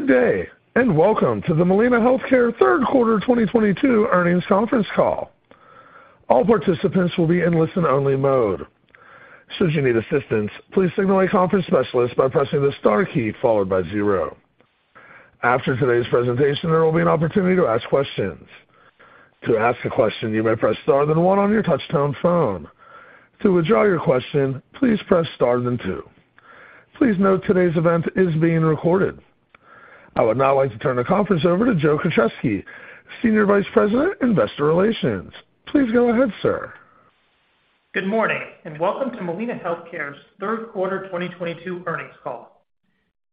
Good day, and welcome to the Molina Healthcare third quarter 2022 earnings conference call. All participants will be in listen-only mode. Should you need assistance, please signal a conference specialist by pressing the star key followed by zero. After today's presentation, there will be an opportunity to ask questions. To ask a question, you may press star then one on your touch-tone phone. To withdraw your question, please press star then two. Please note today's event is being recorded. I would now like to turn the conference over to Joseph Krocheski, Senior Vice President, Investor Relations. Please go ahead, sir. Good morning, and welcome to Molina Healthcare's third quarter 2022 earnings call.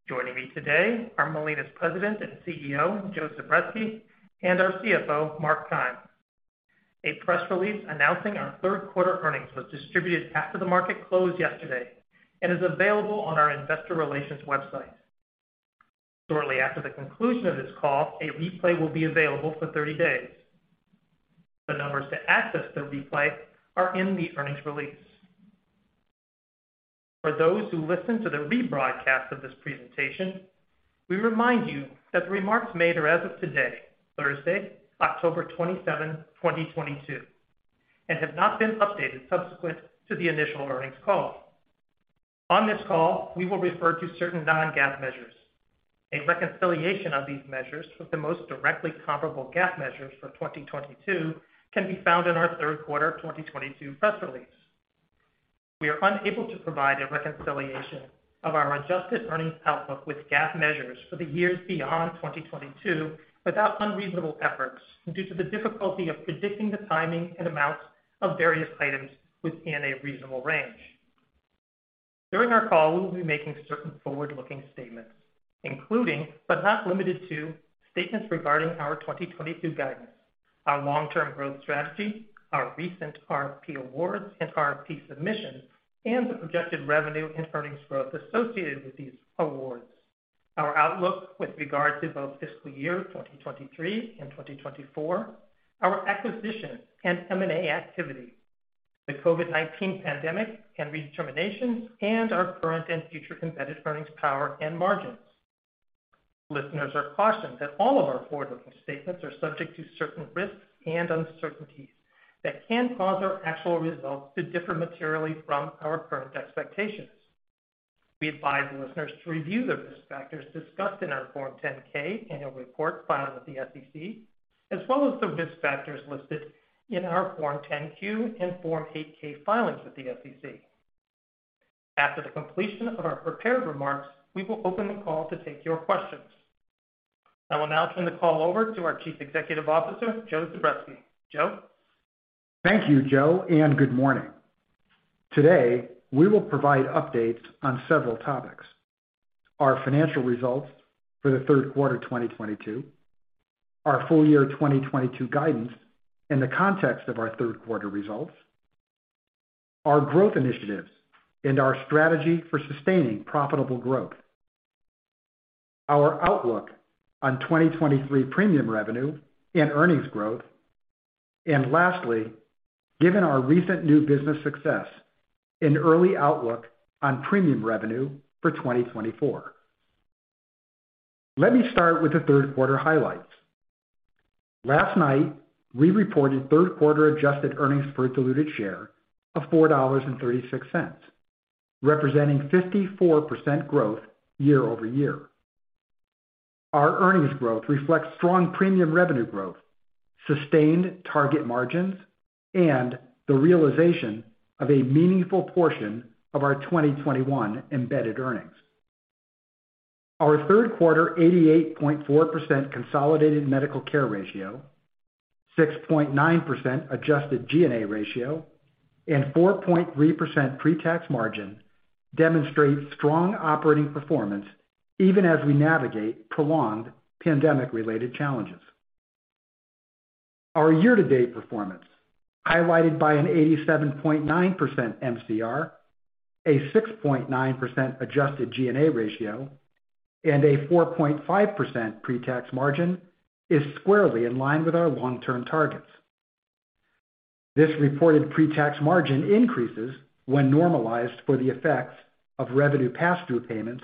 Joining me today are Molina's President and CEO, Joe Zubretsky, and our CFO, Mark Keim. A press release announcing our third quarter earnings was distributed after the market closed yesterday and is available on our investor relations website. Shortly after the conclusion of this call, a replay will be available for 30 days. The numbers to access the replay are in the earnings release. For those who listen to the rebroadcast of this presentation, we remind you that the remarks made are as of today, Thursday, October 27, 2022, and have not been updated subsequent to the initial earnings call. On this call, we will refer to certain non-GAAP measures. A reconciliation of these measures with the most directly comparable GAAP measures for 2022 can be found in our third quarter 2022 press release. We are unable to provide a reconciliation of our adjusted earnings outlook with GAAP measures for the years beyond 2022 without unreasonable efforts due to the difficulty of predicting the timing and amounts of various items within a reasonable range. During our call, we will be making certain forward-looking statements, including, but not limited to, statements regarding our 2022 guidance, our long-term growth strategy, our recent RFP awards and RFP submissions, and the projected revenue and earnings growth associated with these awards. Our outlook with regard to both fiscal year 2023 and 2024, our acquisitions and M&A activity, the COVID-19 pandemic and redeterminations, and our current and future competitive earnings power and margins. Listeners are cautioned that all of our forward-looking statements are subject to certain risks and uncertainties that can cause our actual results to differ materially from our current expectations. We advise listeners to review the risk factors discussed in our Form 10-K annual report filed with the SEC, as well as the risk factors listed in our Form 10-Q and Form 8-K filings with the SEC. After the completion of our prepared remarks, we will open the call to take your questions. I will now turn the call over to our Chief Executive Officer, Joe Zubretsky. Joe. Thank you, Joe, and good morning. Today, we will provide updates on several topics. Our financial results for the third quarter 2022, our full-year 2022 guidance in the context of our third quarter results, our growth initiatives and our strategy for sustaining profitable growth, our outlook on 2023 premium revenue and earnings growth, and lastly, given our recent new business success, an early outlook on premium revenue for 2024. Let me start with the third quarter highlights. Last night, we reported third quarter adjusted earnings per diluted share of $4.36, representing 54% growth year-over-year. Our earnings growth reflects strong premium revenue growth, sustained target margins, and the realization of a meaningful portion of our 2021 embedded earnings. Our third quarter 88.4% consolidated medical care ratio, 6.9% adjusted G&A ratio, and 4.3% pre-tax margin demonstrate strong operating performance even as we navigate prolonged pandemic-related challenges. Our year-to-date performance, highlighted by an 87.9% MCR, a 6.9% adjusted G&A ratio, and a 4.5% pre-tax margin, is squarely in line with our long-term targets. This reported pre-tax margin increases when normalized for the effects of revenue pass-through payments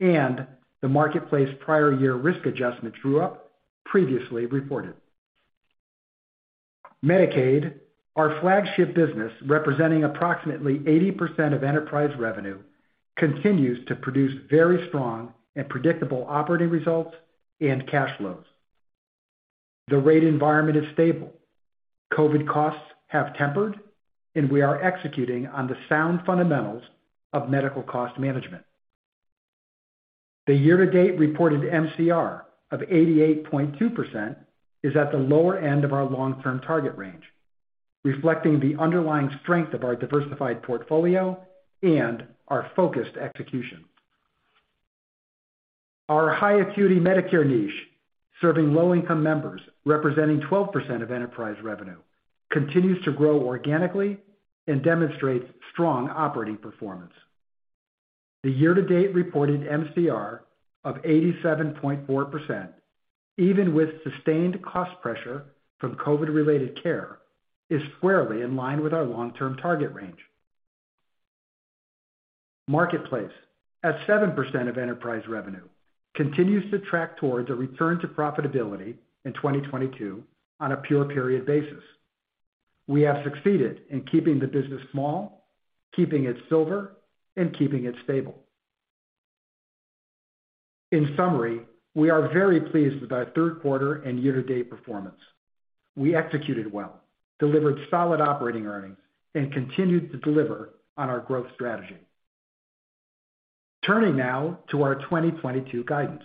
and the Marketplace prior year risk adjustment true-up previously reported. Medicaid, our flagship business, representing approximately 80% of enterprise revenue, continues to produce very strong and predictable operating results and cash flows. The rate environment is stable. COVID costs have tempered, and we are executing on the sound fundamentals of medical cost management. The year-to-date reported MCR of 88.2% is at the lower end of our long-term target range, reflecting the underlying strength of our diversified portfolio and our focused execution. Our high acuity Medicare niche, serving low-income members, representing 12% of enterprise revenue, continues to grow organically and demonstrates strong operating performance. The year-to-date reported MCR of 87.4%, even with sustained cost pressure from COVID-related care, is squarely in line with our long-term target range. Market place, at 7% of enterprise revenue, continues to track towards a return to profitability in 2022 on a pure period basis. We have succeeded in keeping the business small, keeping it silver, and keeping it stable. In summary, we are very pleased with our third quarter and year-to-date performance. We executed well, delivered solid operating earnings, and continued to deliver on our growth strategy. Turning now to our 2022 guidance.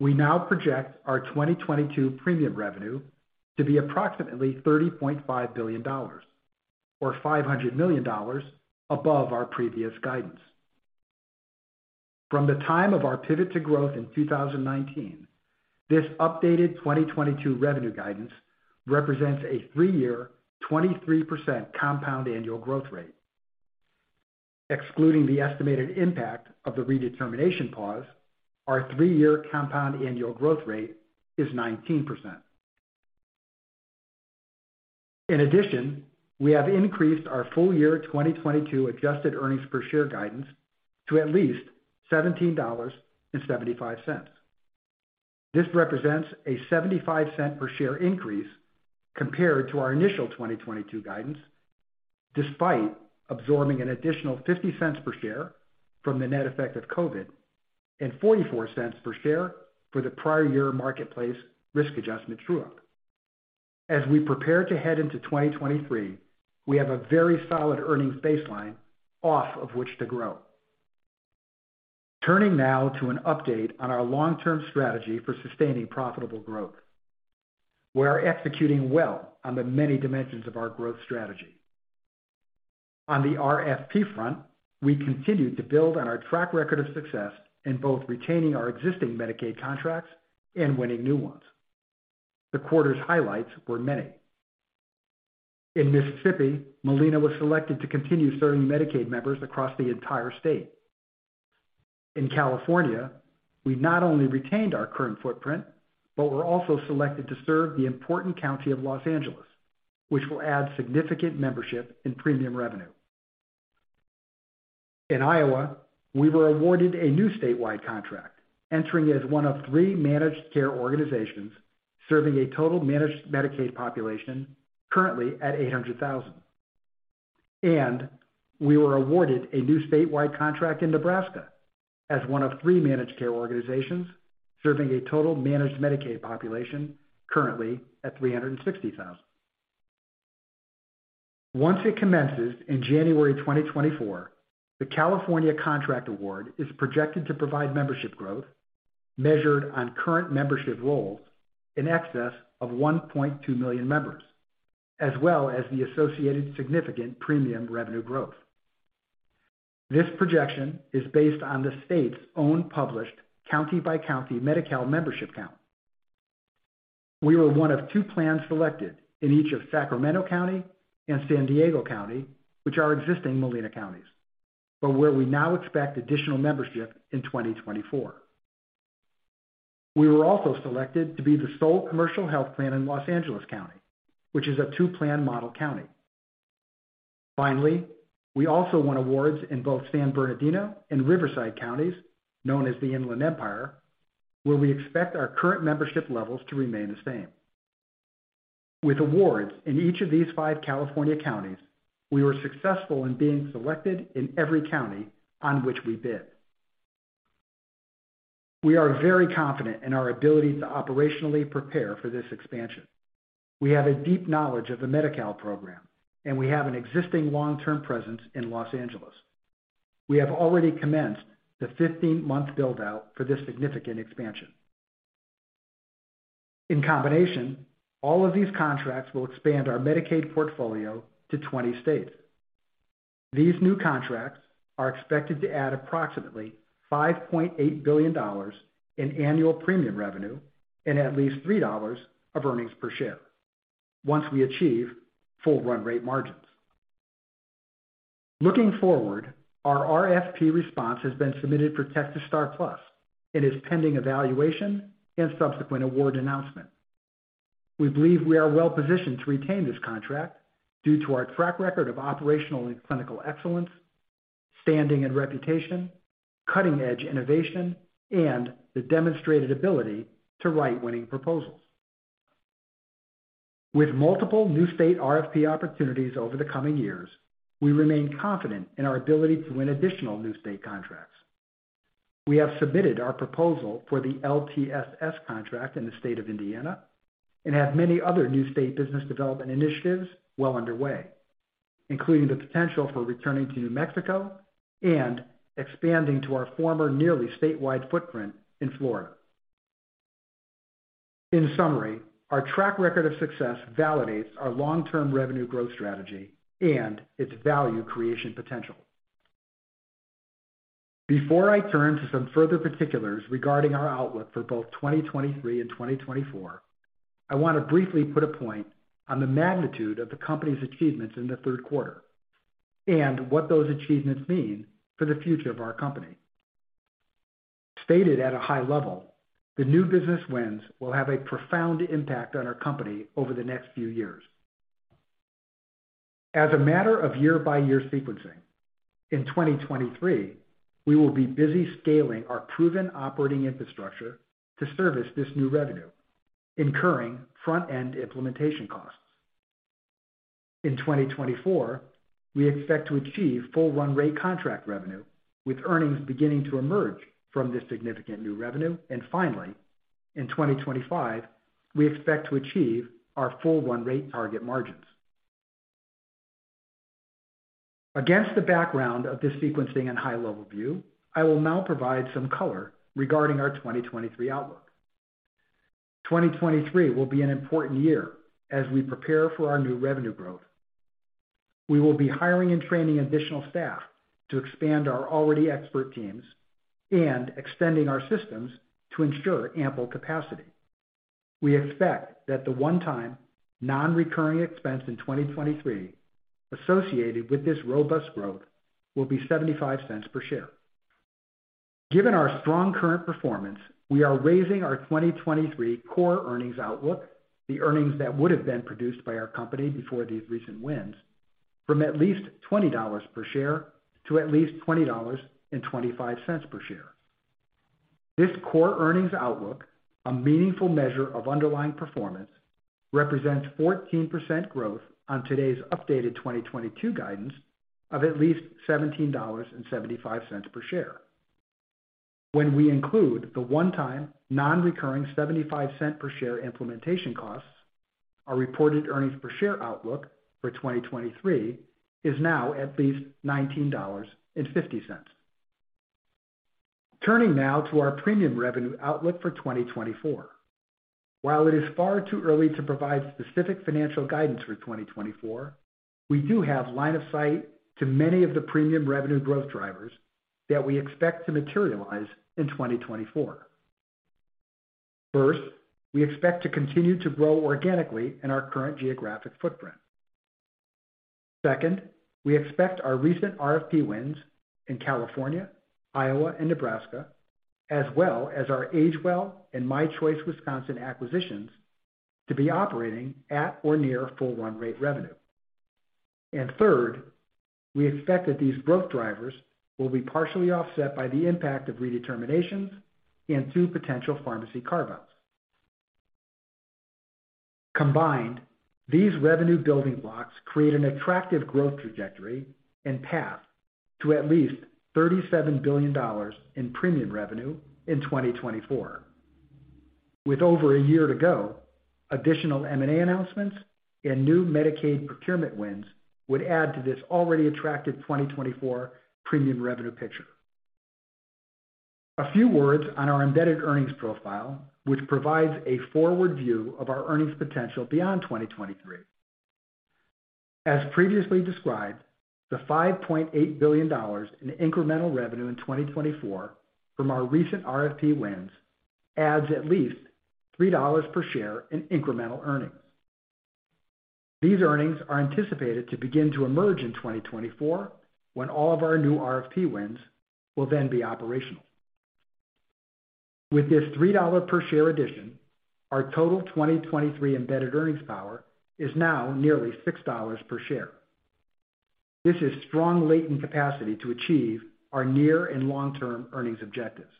We now project our 2022 premium revenue to be approximately $30.5 billion or $500 million above our previous guidance. From the time of our pivot to growth in 2019, this updated 2022 revenue guidance represents a three-year, 23% compound annual growth rate. Excluding the estimated impact of the redetermination pause, our three-year compound annual growth rate is 19%. In addition, we have increased our full-year 2022 adjusted earnings per share guidance to at least $17.75. This represents a $0.75 per share increase compared to our initial 2022 guidance, despite absorbing an additional $0.50 per share from the net effect of COVID and $0.44 per share for the prior year Marketplace risk adjustment true-up. As we prepare to head into 2023, we have a very solid earnings baseline off of which to grow. Turning now to an update on our long-term strategy for sustaining profitable growth. We are executing well on the many dimensions of our growth strategy. On the RFP front, we continue to build on our track record of success in both retaining our existing Medicaid contracts and winning new ones. The quarter's highlights were many. In Mississippi, Molina was selected to continue serving Medicaid members across the entire state. In California, we not only retained our current footprint, but were also selected to serve the important county of Los Angeles, which will add significant membership and premium revenue. In Iowa, we were awarded a new statewide contract, entering as one of three managed care organizations serving a total managed Medicaid population currently at 800,000. We were awarded a new statewide contract in Nebraska as one of three managed care organizations, serving a total managed Medicaid population currently at 360,000. Once it commences in January 2024, the California contract award is projected to provide membership growth measured on current membership rolls in excess of 1.2 million members, as well as the associated significant premium revenue growth. This projection is based on the state's own published county-by-county Medi-Cal membership count. We were one of two plans selected in each of Sacramento County and San Diego County, which are existing Molina counties, but where we now expect additional membership in 2024. We were also selected to be the sole commercial health plan in Los Angeles County, which is a two-plan model county. Finally, we also won awards in both San Bernardino and Riverside Counties, known as the Inland Empire, where we expect our current membership levels to remain the same. With awards in each of these five California counties, we were successful in being selected in every county on which we bid. We are very confident in our ability to operationally prepare for this expansion. We have a deep knowledge of the Medi-Cal program, and we have an existing long-term presence in Los Angeles. We have already commenced the 15-month build-out for this significant expansion. In combination, all of these contracts will expand our Medicaid portfolio to 20 states. These new contracts are expected to add approximately $5.8 billion in annual premium revenue and at least $3 of earnings per share once we achieve full run-rate margins. Looking forward, our RFP response has been submitted for Texas STAR+ and is pending evaluation and subsequent award announcement. We believe we are well positioned to retain this contract due to our track record of operational and clinical excellence, standing and reputation, cutting-edge innovation, and the demonstrated ability to write winning proposals. With multiple new state RFP opportunities over the coming years, we remain confident in our ability to win additional new state contracts. We have submitted our proposal for the LTSS contract in the state of Indiana and have many other new state business development initiatives well underway, including the potential for returning to New Mexico and expanding to our former, nearly statewide footprint in Florida. In summary, our track record of success validates our long-term revenue growth strategy and its value creation potential. Before I turn to some further particulars regarding our outlook for both 2023 and 2024, I want to briefly put a point on the magnitude of the company's achievements in the third quarter and what those achievements mean for the future of our company. Stated at a high level, the new business wins will have a profound impact on our company over the next few years. As a matter of year-by-year sequencing, in 2023, we will be busy scaling our proven operating infrastructure to service this new revenue, incurring front-end implementation costs. In 2024, we expect to achieve full run-rate contract revenue, with earnings beginning to emerge from this significant new revenue. Finally, in 2025, we expect to achieve our full run-rate target margins. Against the background of this sequencing and high-level view, I will now provide some color regarding our 2023 outlook. 2023 will be an important year as we prepare for our new revenue growth. We will be hiring and training additional staff to expand our already expert teams and extending our systems to ensure ample capacity. We expect that the one-time non-recurring expense in 2023 associated with this robust growth will be $0.75 per share. Given our strong current performance, we are raising our 2023 core earnings outlook, the earnings that would have been produced by our company before these recent wins, from at least $20 per share to at least $20.25 per share. This core earnings outlook, a meaningful measure of underlying performance, represents 14% growth on today's updated 2022 guidance of at least $17.75 per share. When we include the one-time non-recurring $0.75 per share implementation costs, our reported earnings per share outlook for 2023 is now at least $19.50. Turning now to our premium revenue outlook for 2024. While it is far too early to provide specific financial guidance for 2024, we do have line of sight to many of the premium revenue growth drivers that we expect to materialize in 2024. First, we expect to continue to grow organically in our current geographic footprint. Second, we expect our recent RFP wins in California, Iowa, and Nebraska, as well as our AgeWell and My Choice Wisconsin acquisitions, to be operating at or near full run-rate revenue. Third, we expect that these growth drivers will be partially offset by the impact of redeterminations and through potential pharmacy carve-outs. Combined, these revenue building blocks create an attractive growth trajectory and path to at least $37 billion in premium revenue in 2024. With over a year to go, additional M&A announcements and new Medicaid procurement wins would add to this already attractive 2024 premium revenue picture. A few words on our embedded earnings profile, which provides a forward view of our earnings potential beyond 2023. As previously described, the $5.8 billion in incremental revenue in 2024 from our recent RFP wins adds at least $3 per share in incremental earnings. These earnings are anticipated to begin to emerge in 2024, when all of our new RFP wins will then be operational. With this $3 per share addition, our total 2023 embedded earnings power is now nearly $6 per share. This is strong latent capacity to achieve our near and long-term earnings objectives.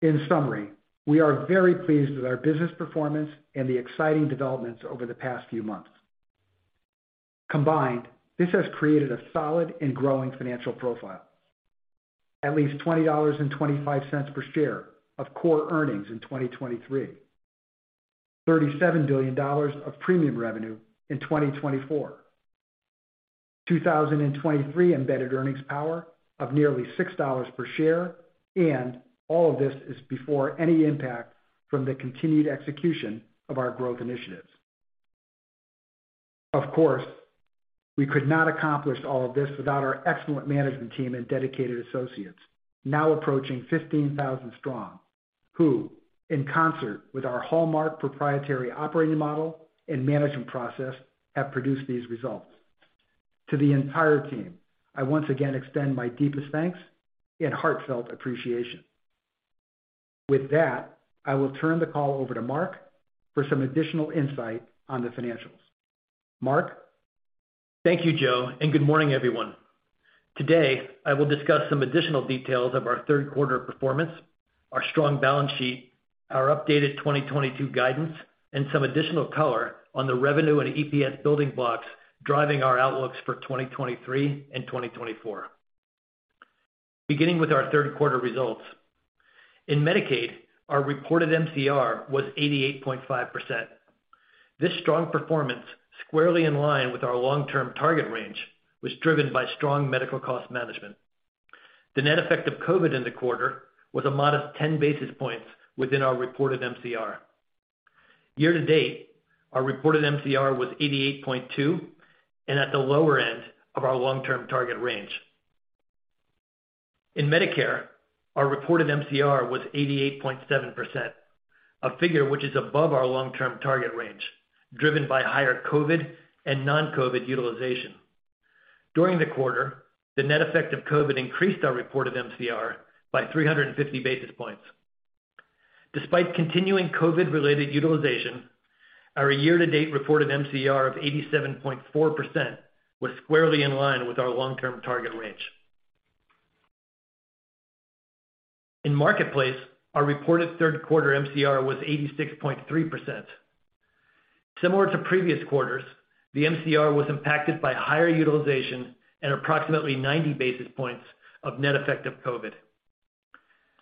In summary, we are very pleased with our business performance and the exciting developments over the past few months. Combined, this has created a solid and growing financial profile, at least $20.25 per share of core earnings in 2023, $37 billion of premium revenue in 2024, 2023 embedded earnings power of nearly $6 per share, and all of this is before any impact from the continued execution of our growth initiatives. Of course, we could not accomplish all of this without our excellent management team and dedicated associates, now approaching 15,000 strong, who, in concert with our hallmark proprietary operating model and management process, have produced these results. To the entire team, I once again extend my deepest thanks and heartfelt appreciation. With that, I will turn the call over to Mark for some additional insight on the financials. Mark? Thank you, Joe, and good morning, everyone. Today, I will discuss some additional details of our third quarter performance, our strong balance sheet, our updated 2022 guidance, and some additional color on the revenue and EPS building blocks driving our outlooks for 2023 and 2024. Beginning with our third quarter results. In Medicaid, our reported MCR was 88.5%. This strong performance, squarely in line with our long-term target range, was driven by strong medical cost management. The net effect of COVID in the quarter was a modest 10 basis points within our reported MCR. Year-to-date, our reported MCR was 88.2% and at the lower end of our long-term target range. In Medicare, our reported MCR was 88.7%. A figure which is above our long-term target range, driven by higher COVID and non-COVID utilization. During the quarter, the net effect of COVID-19 increased our reported MCR by 350 basis points. Despite continuing COVID-19-related utilization, our year-to-date reported MCR of 87.4% was squarely in line with our long-term target range. In Marketplace, our reported third quarter MCR was 86.3%. Similar to previous quarters, the MCR was impacted by higher utilization and approximately 90 basis points of net effect of COVID-19.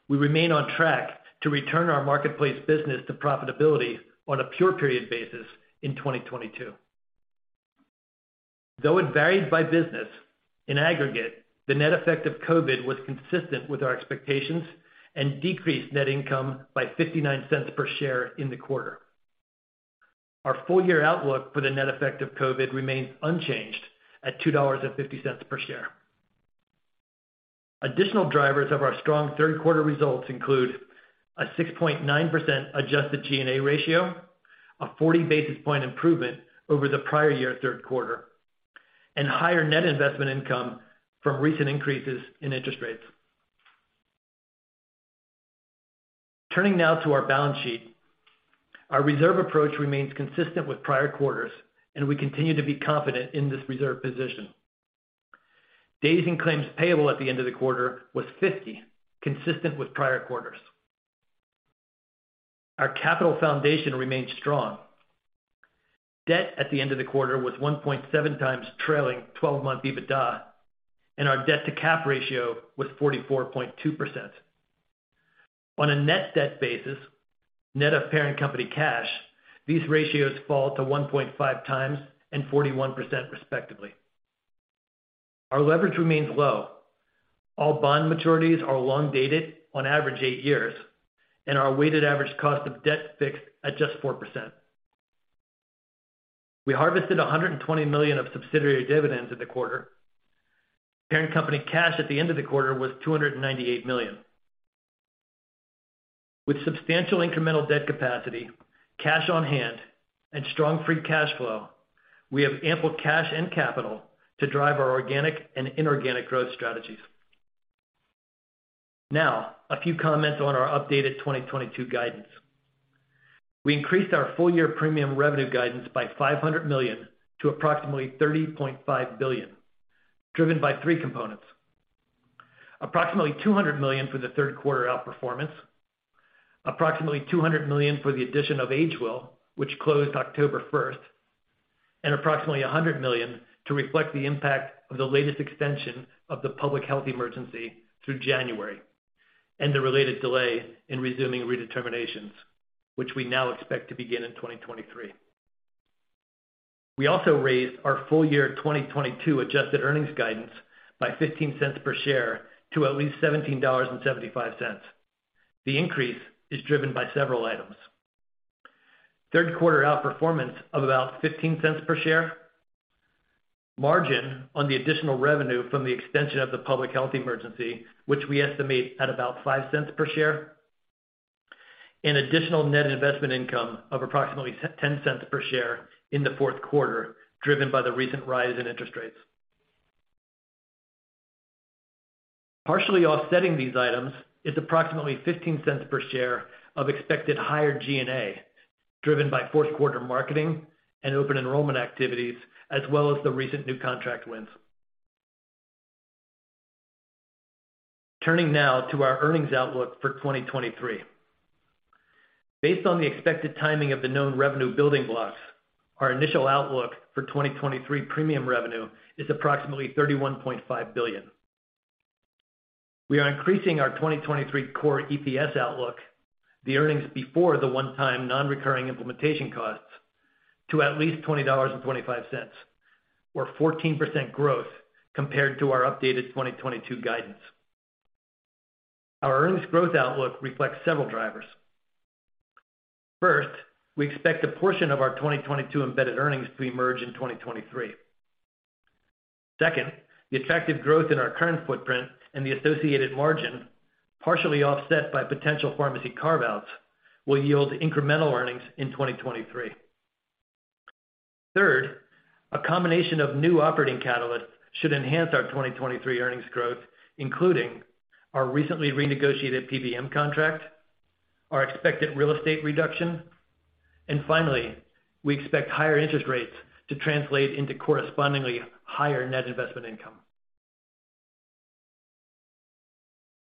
We remain on track to return our Marketplace business to profitability on a pure period basis in 2022. Though it varied by business, in aggregate, the net effect of COVID-19 was consistent with our expectations and decreased net income by $0.59 per share in the quarter. Our full-year outlook for the net effect of COVID-19 remains unchanged at $2.50 per share. Additional drivers of our strong third quarter results include a 6.9% adjusted G&A ratio, a 40 basis point improvement over the prior year third quarter, and higher net investment income from recent increases in interest rates. Turning now to our balance sheet. Our reserve approach remains consistent with prior quarters, and we continue to be confident in this reserve position. Days in claims payable at the end of the quarter was 50, consistent with prior quarters. Our capital foundation remains strong. Debt at the end of the quarter was 1.7x trailing 12-month EBITDA, and our debt-to-cap ratio was 44.2%. On a net debt basis, net of parent company cash, these ratios fall to 1.5x and 41% respectively. Our leverage remains low. All bond maturities are long dated, on average eight years, and our weighted average cost of debt fixed at just 4%. We harvested $120 million of subsidiary dividends in the quarter. Parent company cash at the end of the quarter was $298 million. With substantial incremental debt capacity, cash on hand, and strong free cash flow, we have ample cash and capital to drive our organic and inorganic growth strategies. Now, a few comments on our updated 2022 guidance. We increased our full-year premium revenue guidance by $500 million to approximately $30.5 billion, driven by three components. Approximately $200 million for the third quarter outperformance, approximately $200 million for the addition of AgeWell, which closed October first, and approximately $100 million to reflect the impact of the latest extension of the public health emergency through January, and the related delay in resuming redeterminations, which we now expect to begin in 2023. We also raised our full-year 2022 adjusted earnings guidance by $0.15 per share to at least $17.75. The increase is driven by several items. Third quarter outperformance of about $0.15 per share, margin on the additional revenue from the extension of the public health emergency, which we estimate at about $0.05 per share, and additional net investment income of approximately ten cents per share in the fourth quarter, driven by the recent rise in interest rates. Partially offsetting these items is approximately $0.15 per share of expected higher G&A, driven by fourth quarter marketing and open enrollment activities, as well as the recent new contract wins. Turning now to our earnings outlook for 2023. Based on the expected timing of the known revenue building blocks, our initial outlook for 2023 premium revenue is approximately $31.5 billion. We are increasing our 2023 core EPS outlook, the earnings before the one-time non-recurring implementation costs, to at least $20.25, or 14% growth compared to our updated 2022 guidance. Our earnings growth outlook reflects several drivers. First, we expect a portion of our 2022 embedded earnings to emerge in 2023. Second, the attractive growth in our current footprint and the associated margin, partially offset by potential pharmacy carve-outs, will yield incremental earnings in 2023. Third, a combination of new operating catalysts should enhance our 2023 earnings growth, including our recently renegotiated PBM contract, our expected real estate reduction, and finally, we expect higher interest rates to translate into correspondingly higher net investment income.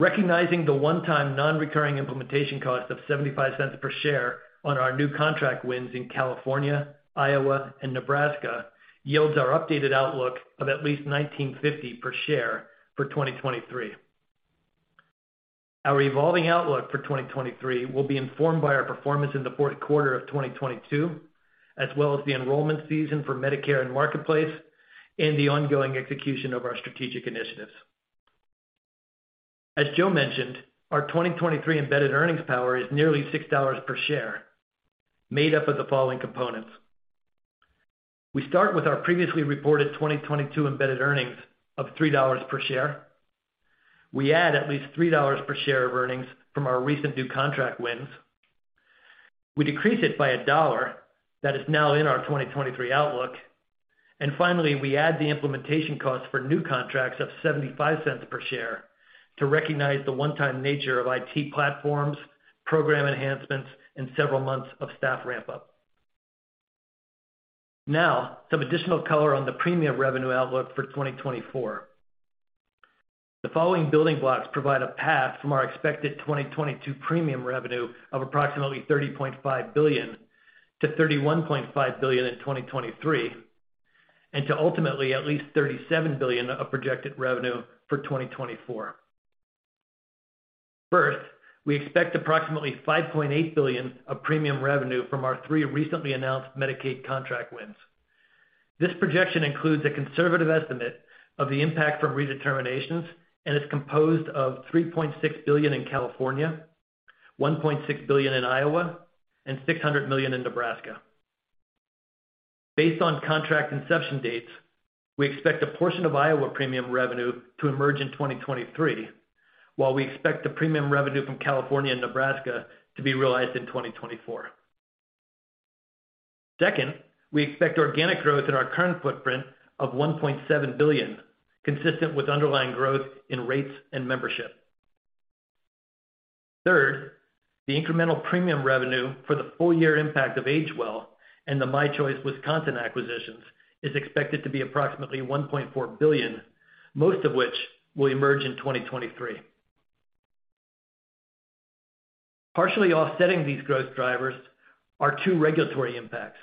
Recognizing the one-time non-recurring implementation cost of $0.75 per share on our new contract wins in California, Iowa, and Nebraska, yields our updated outlook of at least $19.50 per share for 2023. Our evolving outlook for 2023 will be informed by our performance in the fourth quarter of 2022, as well as the enrollment season for Medicare and Marketplace, and the ongoing execution of our strategic initiatives. As Joe mentioned, our 2023 embedded earnings power is nearly $6 per share, made up of the following components. We start with our previously reported 2022 embedded earnings of $3 per share. We add at least $3 per share of earnings from our recent new contract wins. We decrease it by $1 that is now in our 2023 outlook. Finally, we add the implementation costs for new contracts of $0.75 per share to recognize the one-time nature of IT platforms, program enhancements, and several months of staff ramp-up. Now, some additional color on the premium revenue outlook for 2024. The following building blocks provide a path from our expected 2022 premium revenue of approximately $30.5 billion to $31.5 billion in 2023, and to ultimately at least $37 billion of projected revenue for 2024. First, we expect approximately $5.8 billion of premium revenue from our three recently announced Medicaid contract wins. This projection includes a conservative estimate of the impact from redeterminations and is composed of $3.6 billion in California, $1.6 billion in Iowa, and $600 million in Nebraska. Based on contract inception dates, we expect a portion of Iowa premium revenue to emerge in 2023, while we expect the premium revenue from California and Nebraska to be realized in 2024. Second, we expect organic growth in our current footprint of $1.7 billion, consistent with underlying growth in rates and membership. Third, the incremental premium revenue for the full-year impact of AgeWell and the My Choice Wisconsin acquisitions is expected to be approximately $1.4 billion, most of which will emerge in 2023. Partially offsetting these growth drivers are two regulatory impacts.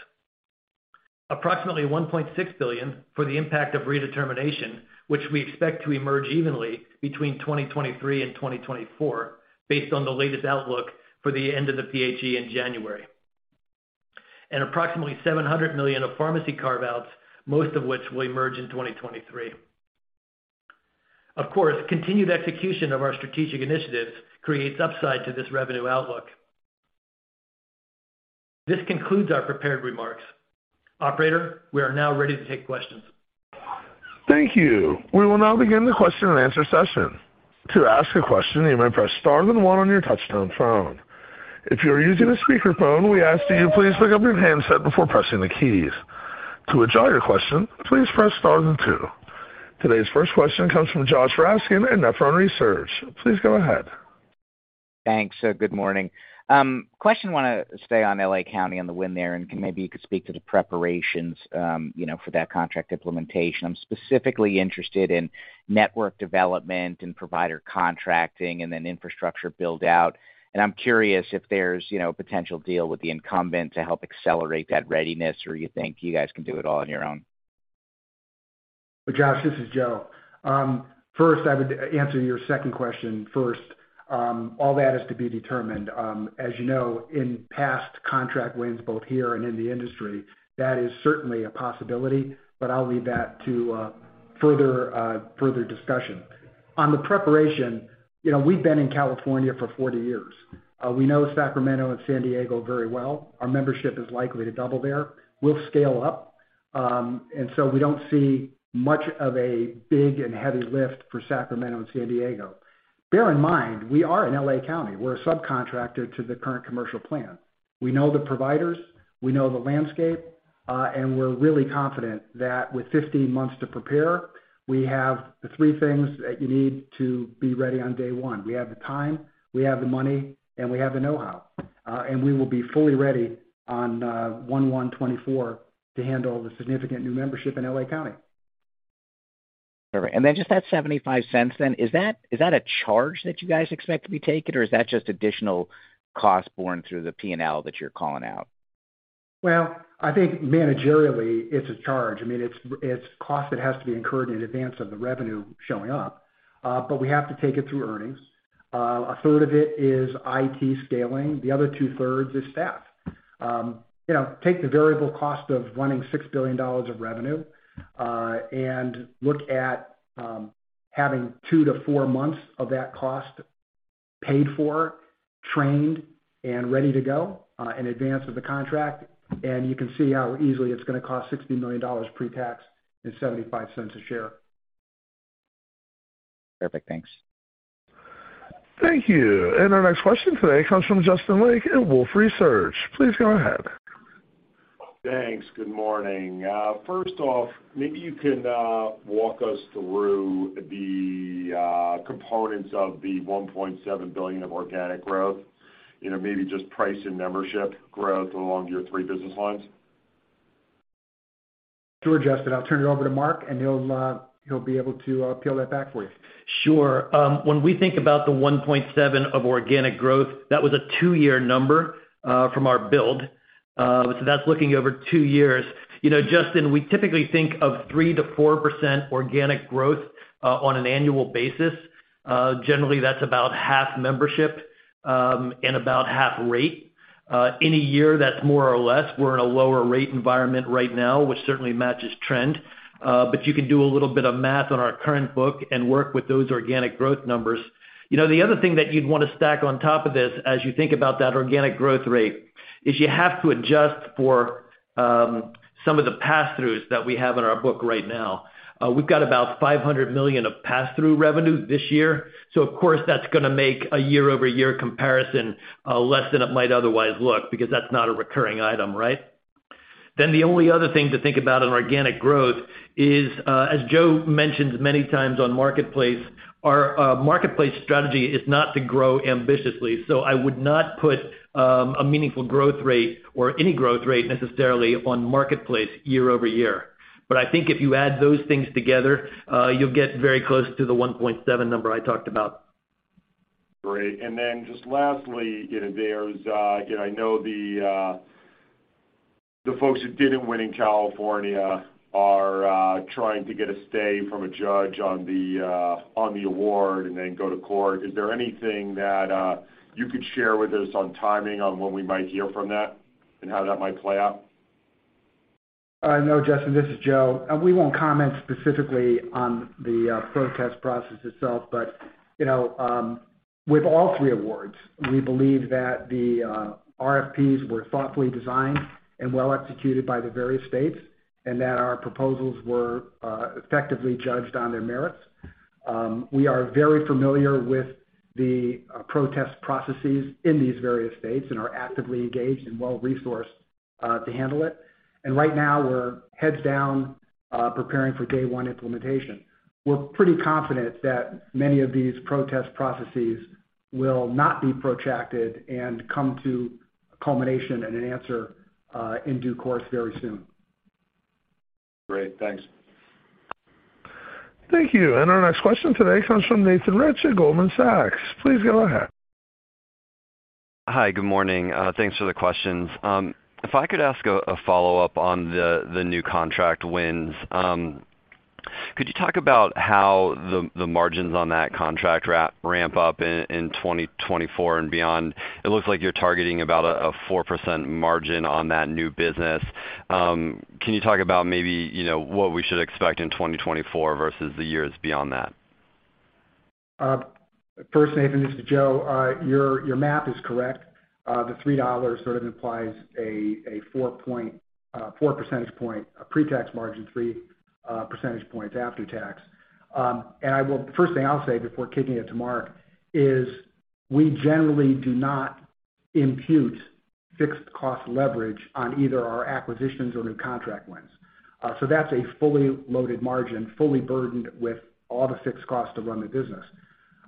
Approximately $1.6 billion for the impact of redetermination, which we expect to emerge evenly between 2023 and 2024 based on the latest outlook for the end of the PHE in January. Approximately $700 million of pharmacy carve-outs, most of which will emerge in 2023. Of course, continued execution of our strategic initiatives creates upside to this revenue outlook. This concludes our prepared remarks. Operator, we are now ready to take questions. Thank you. We will now begin the question-and-answer session. To ask a question, you may press star then one on your touch-tone phone. If you are using a speaker phone, we ask that you please pick up your handset before pressing the keys. To withdraw your question, please press star then two. Today's first question comes from Joshua Raskin at Nephron Research. Please go ahead. Thanks. Good morning. Question, wanna stay on L.A. County and the win there, and maybe you could speak to the preparations, you know, for that contract implementation. I'm specifically interested in network development, and provider contracting, and then infrastructure build-out. I'm curious if there's, you know, a potential deal with the incumbent to help accelerate that readiness, or you think you guys can do it all on your own. Josh, this is Joe. First, I would answer your second question first. All that is to be determined. As you know, in past contract wins, both here and in the industry, that is certainly a possibility, but I'll leave that to further discussion. On the preparation, you know, we've been in California for 40 years. We know Sacramento and San Diego very well. Our membership is likely to double there. We'll scale up. We don't see much of a big and heavy lift for Sacramento and San Diego. Bear in mind, we are in L.A. County. We're a subcontractor to the current commercial plan. We know the providers, we know the landscape, and we're really confident that with 15 months to prepare, we have the three things that you need to be ready on day one. We have the time, we have the money, and we have the know-how. We will be fully ready on 1/1/2024 to handle the significant new membership in L.A. County. Perfect. Just that $0.75 then, is that a charge that you guys expect to be taken, or is that just additional cost borne through the P&L that you're calling out? Well, I think managerially, it's a charge. I mean, it's a cost that has to be incurred in advance of the revenue showing up, but we have to take it through earnings. A third of it is IT scaling, the other two-thirds is staff. You know, take the variable cost of running $6 billion of revenue, and look at having two to four-months of that cost paid for, trained, and ready to go, in advance of the contract, and you can see how easily it's gonna cost $60 million pre-tax and $0.75 a share. Perfect. Thanks. Thank you. Our next question today comes from Justin Lake at Wolfe Research. Please go ahead. Thanks. Good morning. First off, maybe you can walk us through the components of the $1.7 billion of organic growth. You know, maybe just price and membership growth along your three business lines. Sure, Justin. I'll turn it over to Mark, and he'll be able to peel that back for you. Sure. When we think about the 1.7% of organic growth, that was a two-year number from our build. That's looking over two years. You know, Justin, we typically think of 3%-4% organic growth on an annual basis. Generally, that's about half membership and about half rate. In a year, that's more or less. We're in a lower rate environment right now, which certainly matches trend. You can do a little bit of math on our current book and work with those organic growth numbers. You know, the other thing that you'd want to stack on top of this, as you think about that organic growth rate, is you have to adjust for some of the passthroughs that we have in our book right now. We've got about $500 million of passthrough revenue this year. Of course, that's gonna make a year-over-year comparison less than it might otherwise look because that's not a recurring item, right? The only other thing to think about in organic growth is, as Joe mentioned many times on Marketplace, our Marketplace strategy is not to grow ambitiously. I would not put a meaningful growth rate or any growth rate, necessarily on Marketplace year over year. I think if you add those things together, you'll get very close to the 1.7% number I talked about. Great. Just lastly, you know, there's, you know, I know the folks who didn't win in California are trying to get a stay from a judge on the award and then go to court. Is there anything that you could share with us on timing on when we might hear from that and how that might play out? No, Justin, this is Joe. We won't comment specifically on the protest process itself. You know, with all three awards, we believe that the RFPs were thoughtfully designed and well executed by the various states, and that our proposals were effectively judged on their merits. We are very familiar with the protest processes in these various states and are actively engaged and well-resourced to handle it. Right now we're heads down, preparing for day one implementation. We're pretty confident that many of these protest processes will not be protracted and come to a culmination and an answer in due course very soon. Great. Thanks. Thank you. Our next question today comes from Nathan Rich at Goldman Sachs. Please go ahead. Hi, good morning. Thanks for the questions. If I could ask a follow-up on the new contract wins. Could you talk about how the margins on that contract ramp up in 2024 and beyond? It looks like you're targeting about a 4% margin on that new business. Can you talk about maybe, you know, what we should expect in 2024 versus the years beyond that? First, Nathan, this is Joe. Your math is correct. The $3 sort of implies a 4 percentage point pretax margin, 3 percentage points after tax. First thing I'll say before kicking it to Mark is we generally do not impute fixed cost leverage on either our acquisitions or new contract wins. That's a fully loaded margin, fully burdened with all the fixed costs to run the business.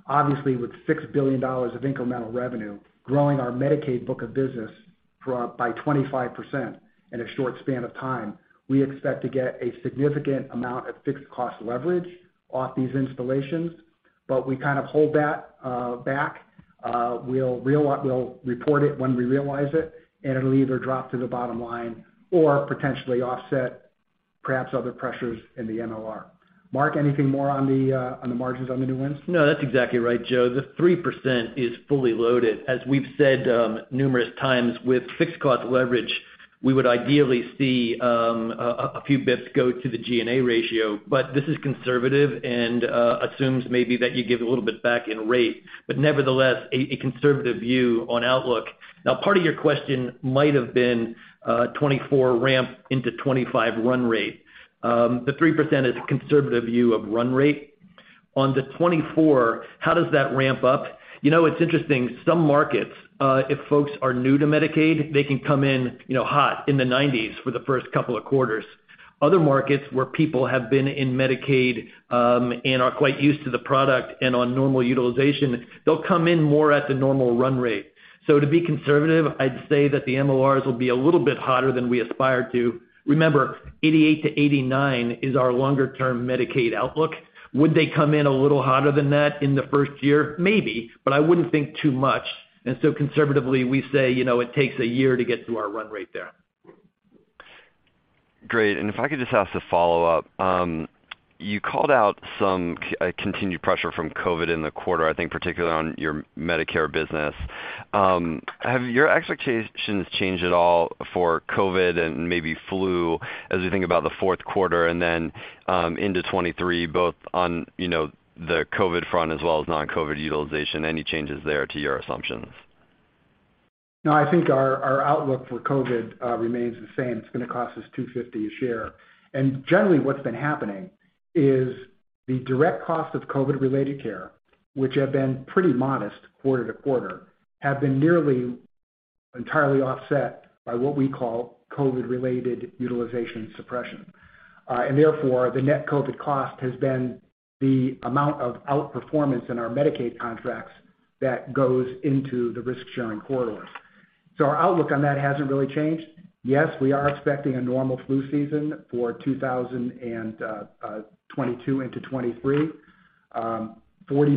Obviously, with $6 billion of incremental revenue, growing our Medicaid book of business by 25% in a short span of time, we expect to get a significant amount of fixed cost leverage off these installations. We kind of hold that back. We'll report it when we realize it, and it'll either drop to the bottom line or potentially offset, perhaps other pressures in the MCR. Mark, anything more on the margins on the new wins? No, that's exactly right, Joe. The 3% is fully loaded. As we've said, numerous times, with fixed cost leverage, we would ideally see a few bits go to the G&A ratio. But this is conservative and assumes maybe that you give a little bit back in rate, but nevertheless, a conservative view on outlook. Now, part of your question might have been, 2024 ramp into 2025 run-rate. The 3% is a conservative view of run-rate. On the 2024, how does that ramp up? You know, it's interesting. Some markets, if folks are new to Medicaid, they can come in, you know, hot in the 1990s for the first couple of quarters. Other markets where people have been in Medicaid, and are quite used to the product and on normal utilization, they'll come in more at the normal run-rate. To be conservative, I'd say that the MCRs will be a little bit hotter than we aspire to. Remember, 88%-89% is our longer-term Medicaid outlook. Would they come in a little hotter than that in the first year? Maybe, but I wouldn't think too much. Conservatively, we say, you know, it takes a year to get to our run-rate there. Great. If I could just ask a follow-up. You called out some continued pressure from COVID in the quarter, I think, particularly on your Medicare business. Have your expectations changed at all for COVID and maybe flu as you think about the fourth quarter and then into 2023, both on, you know, the COVID front as well as non-COVID utilization? Any changes there to your assumptions? No, I think our outlook for COVID remains the same. It's gonna cost us $2.50 a share. Generally, what's been happening is the direct cost of COVID-related care, which have been pretty modest quarter to quarter, have been nearly entirely offset by what we call COVID-related utilization suppression. Therefore, the net COVID cost has been the amount of outperformance in our Medicaid contracts that goes into the risk-sharing corridors. Our outlook on that hasn't really changed. Yes, we are expecting a normal flu season for 2022 into 2023. $40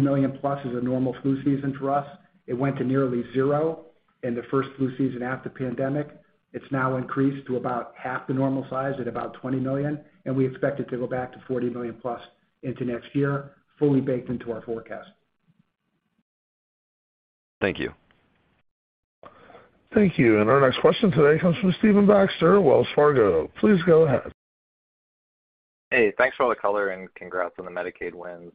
million+ is a normal flu season for us. It went to nearly zero in the first flu season after pandemic. It's now increased to about half the normal size at about 20 million, and we expect it to go back to 40 million+ into next year, fully baked into our forecast. Thank you. Thank you. Our next question today comes from Stephen Baxter, Wells Fargo. Please go ahead. Hey, thanks for all the color, and congrats on the Medicaid wins.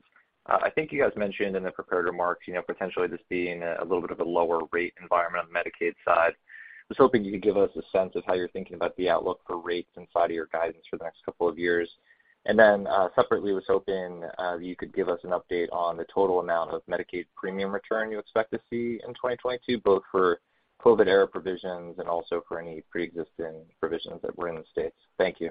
I think you guys mentioned in the prepared remarks, you know, potentially this being a little bit of a lower rate environment on the Medicaid side. I was hoping you could give us a sense of how you're thinking about the outlook for rates inside of your guidance for the next couple of years. Separately, I was hoping you could give us an update on the total amount of Medicaid premium return you expect to see in 2022, both for COVID-era provisions and also for any pre-existing provisions that were in the States. Thank you.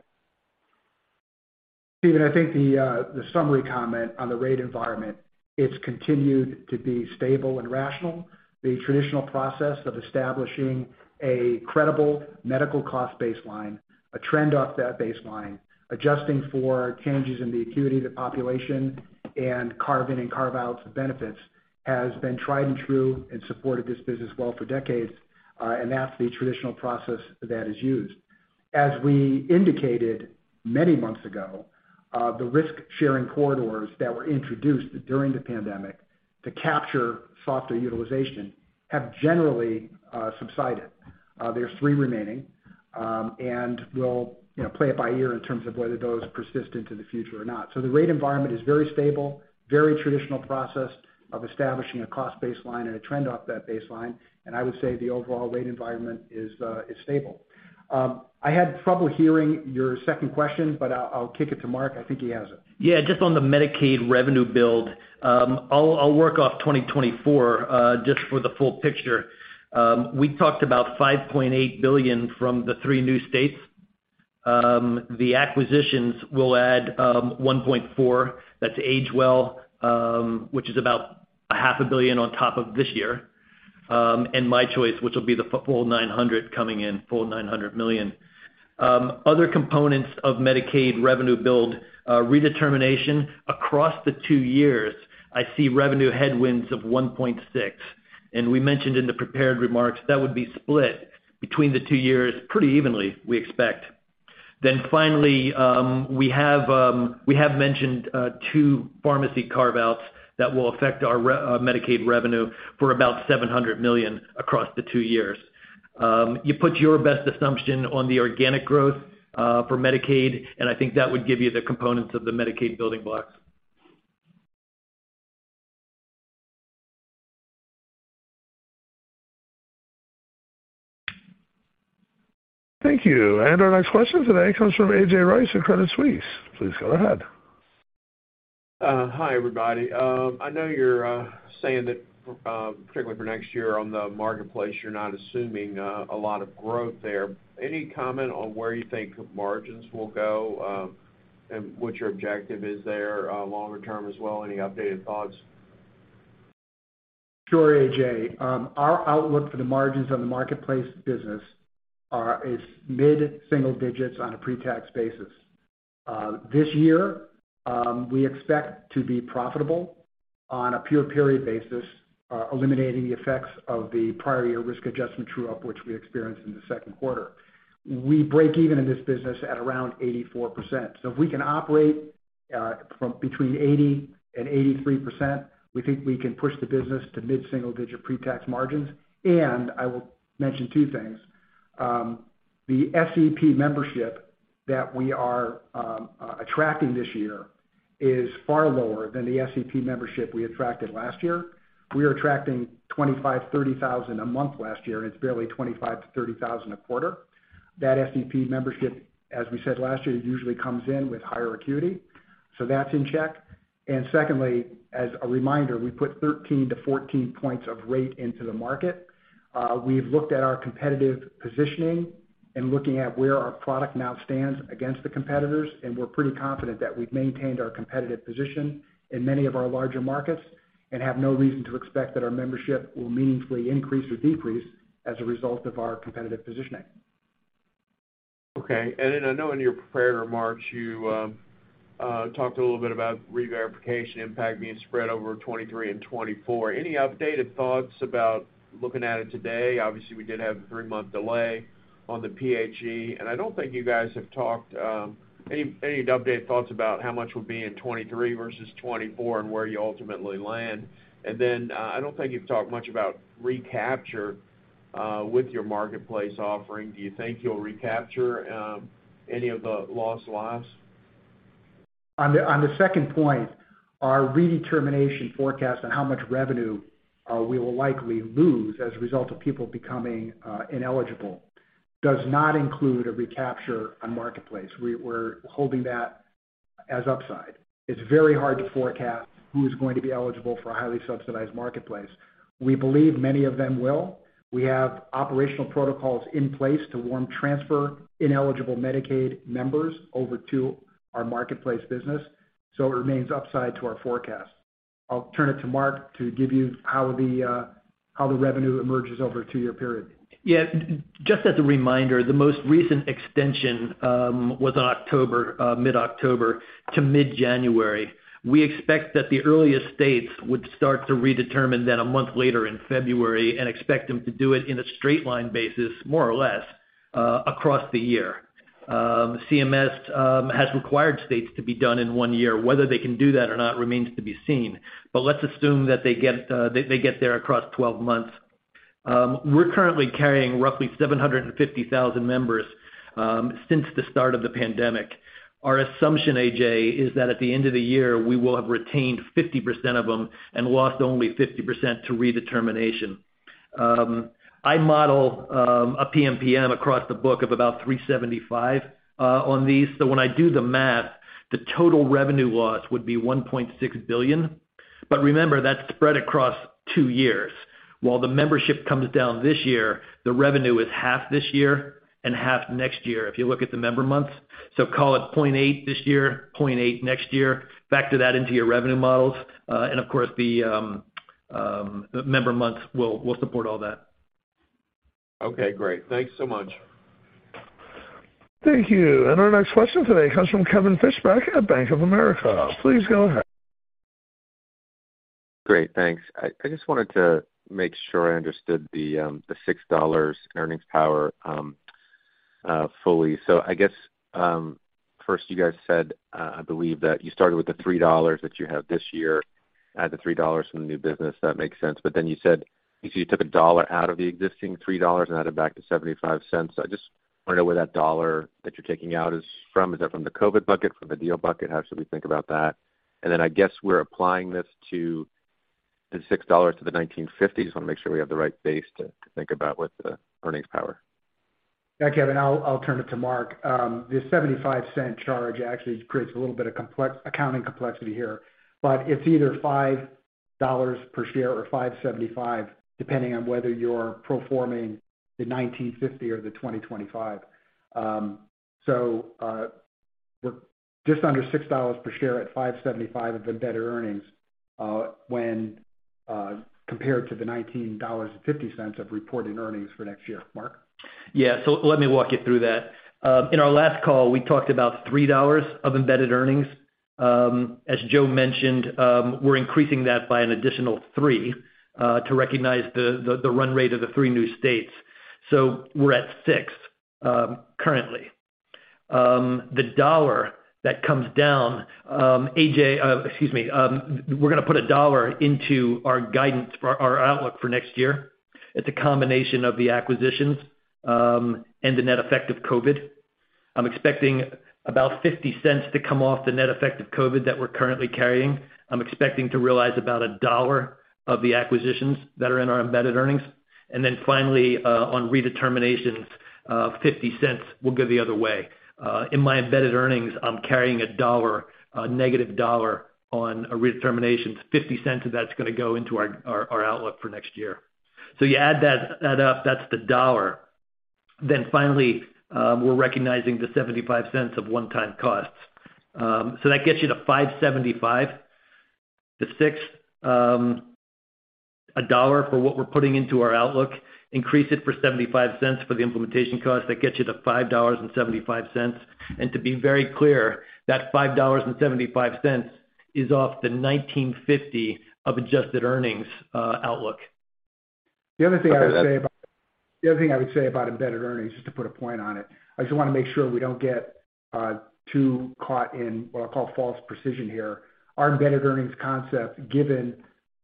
Stephen, I think the summary comment on the rate environment, it's continued to be stable and rational. The traditional process of establishing a credible medical cost baseline, a trend off that baseline, adjusting for changes in the acuity of the population, and carve-in and carve-outs of benefits, has been tried and true and supported this business well for decades, and that's the traditional process that is used. As we indicated many months ago, the risk-sharing corridors that were introduced during the pandemic to capture softer utilization have generally subsided. There's three remaining, and we'll, you know, play it by ear in terms of whether those persist into the future or not. The rate environment is very stable, very traditional process of establishing a cost baseline and a trend off that baseline, and I would say the overall rate environment is stable. I had trouble hearing your second question, but I'll kick it to Mark. I think he has it. Yeah, just on the Medicaid revenue build, I'll work off 2024 just for the full picture. We talked about $5.8 billion from the three new states. The acquisitions will add $1.4 billion, that's AgeWell, which is about $500 million on top of this year, and My Choice, which will be the full $900 million. Other components of Medicaid revenue build, redetermination across the two years, I see revenue headwinds of $1.6 billion, and we mentioned in the prepared remarks that would be split between the two years pretty evenly, we expect. Finally, we have mentioned two pharmacy carve-outs that will affect our Medicaid revenue for about $700 million across the two years. You put your best assumption on the organic growth for Medicaid, and I think that would give you the components of the Medicaid building blocks. Thank you. Our next question today comes from A.J. Rice of Credit Suisse. Please go ahead. Hi, everybody. I know you're saying that, particularly for next year on the marketplace, you're not assuming a lot of growth there. Any comment on where you think margins will go, and what your objective is there, longer term as well? Any updated thoughts? Sure, A.J. Our outlook for the margins on the marketplace business is mid-single digits on a pre-tax basis. This year, we expect to be profitable on a pure period basis, eliminating the effects of the prior year risk adjustment true-up, which we experienced in the second quarter. We break even in this business at around 84%. If we can operate from between 80% and 83%, we think we can push the business to mid-single-digit pre-tax margins. I will mention two things. The SEP membership that we are attracting this year is far lower than the SEP membership we attracted last year. We were attracting 25,000-30,000 a month last year, and it's barely 25,000-30,000 a quarter. That SEP membership, as we said last year, usually comes in with higher acuity, so that's in check. Secondly, as a reminder, we put 13-14 points of rate into the market. We've looked at our competitive positioning and, looking at where our product now stands against the competitors, and we're pretty confident that we've maintained our competitive position in many of our larger markets and have no reason to expect that our membership will meaningfully increase or decrease as a result of our competitive positioning. Okay. I know in your prepared remarks, you talked a little bit about reverification impact being spread over 2023 and 2024. Any updated thoughts about looking at it today? Obviously, we did have a three-month delay on the PHE. I don't think you guys have talked any updated thoughts about how much would be in 2023 versus 2024 and where you ultimately land. I don't think you've talked much about recapture with your Marketplace offering. Do you think you'll recapture any of the lost? On the second point, our redetermination forecast on how much revenue we will likely lose as a result of people becoming ineligible does not include a recapture on Marketplace. We're holding that as upside. It's very hard to forecast who's going to be eligible for a highly subsidized Marketplace. We believe many of them will. We have operational protocols in place to warm transfer ineligible Medicaid members over to our Marketplace business, so it remains upside to our forecast. I'll turn it to Mark to give you how the revenue emerges over a two-year period. Yeah. Just as a reminder, the most recent extension was October, mid-October to mid-January. We expect that the earliest states would start to redetermine that a month later in February and expect them to do it in a straight line basis, more or less, across the year. CMS has required states to be done in one year. Whether they can do that or not remains to be seen. Let's assume that they get there across 12 months. We're currently carrying roughly 750,000 members since the start of the pandemic. Our assumption, A.J., is that at the end of the year, we will have retained 50% of them and lost only 50% to redetermination. I model a PMPM across the book of about $375 on these. When I do the math, the total revenue loss would be $1.6 billion. Remember, that's spread across two years. While the membership comes down this year, the revenue is half this year and half next year if you look at the member months. Call it $0.8 billion this year, $0.8 billion next year. Factor that into your revenue models. Of course, the member months will support all that. Okay, great. Thanks so much. Thank you. Our next question today comes from Kevin Fischbeck at Bank of America. Please go ahead. Great, thanks. I just wanted to make sure I understood the $6 earnings power fully. I guess first you guys said I believe that you started with the $3 that you have this year, add the $3 from the new business, that makes sense. You said you took a $1 out of the existing $3 and added back the $0.75. I just wonder where that $1 that you're taking out is from. Is that from the COVID bucket? From the deal bucket? How should we think about that? I guess we're applying this to the $6 to the $19.50. Just wanna make sure we have the right base to think about with the earnings power. Yeah, Kevin, I'll turn it to Mark. The $0.75 charge actually creates a little bit of complex accounting complexity here. It's either $5 per share or $5.75, depending on whether you're pro forma the $19.50 or the $20.25. We're just under $6 per share at $5.75 of embedded earnings, when compared to the $19.50 of reported earnings for next year. Mark? Yeah. Let me walk you through that. In our last call, we talked about $3 of embedded earnings. As Joe mentioned, we're increasing that by an additional $3 to recognize the run-rate of the three new states. We're at $6 currently. The $1 that comes down, AJ, excuse me, we're gonna put a $1 into our guidance for our outlook for next year. It's a combination of the acquisitions, and the net effect of COVID. I'm expecting about $0.50 to come off the net effect of COVID that we're currently carrying. I'm expecting to realize about a $1 of the acquisitions that are in our embedded earnings. Finally, on redeterminations, $0.50 will go the other way. In my embedded earnings, I'm carrying a $1, a $-1 on a redetermination. $0.50 of that's gonna go into our outlook for next year. You add that up, that's the $1. Finally, we're recognizing the $0.75 of one-time costs. That gets you to $5.75-$6 a dollar for what we're putting into our outlook, increase it for $0.75 for the implementation cost, that gets you to $5.75. To be very clear, that $5.75 is off the $19.50 of adjusted earnings outlook. Okay. The other thing I would say about embedded earnings, just to put a point on it, I just wanna make sure we don't get too caught in what I call false precision here. Our embedded earnings concept, given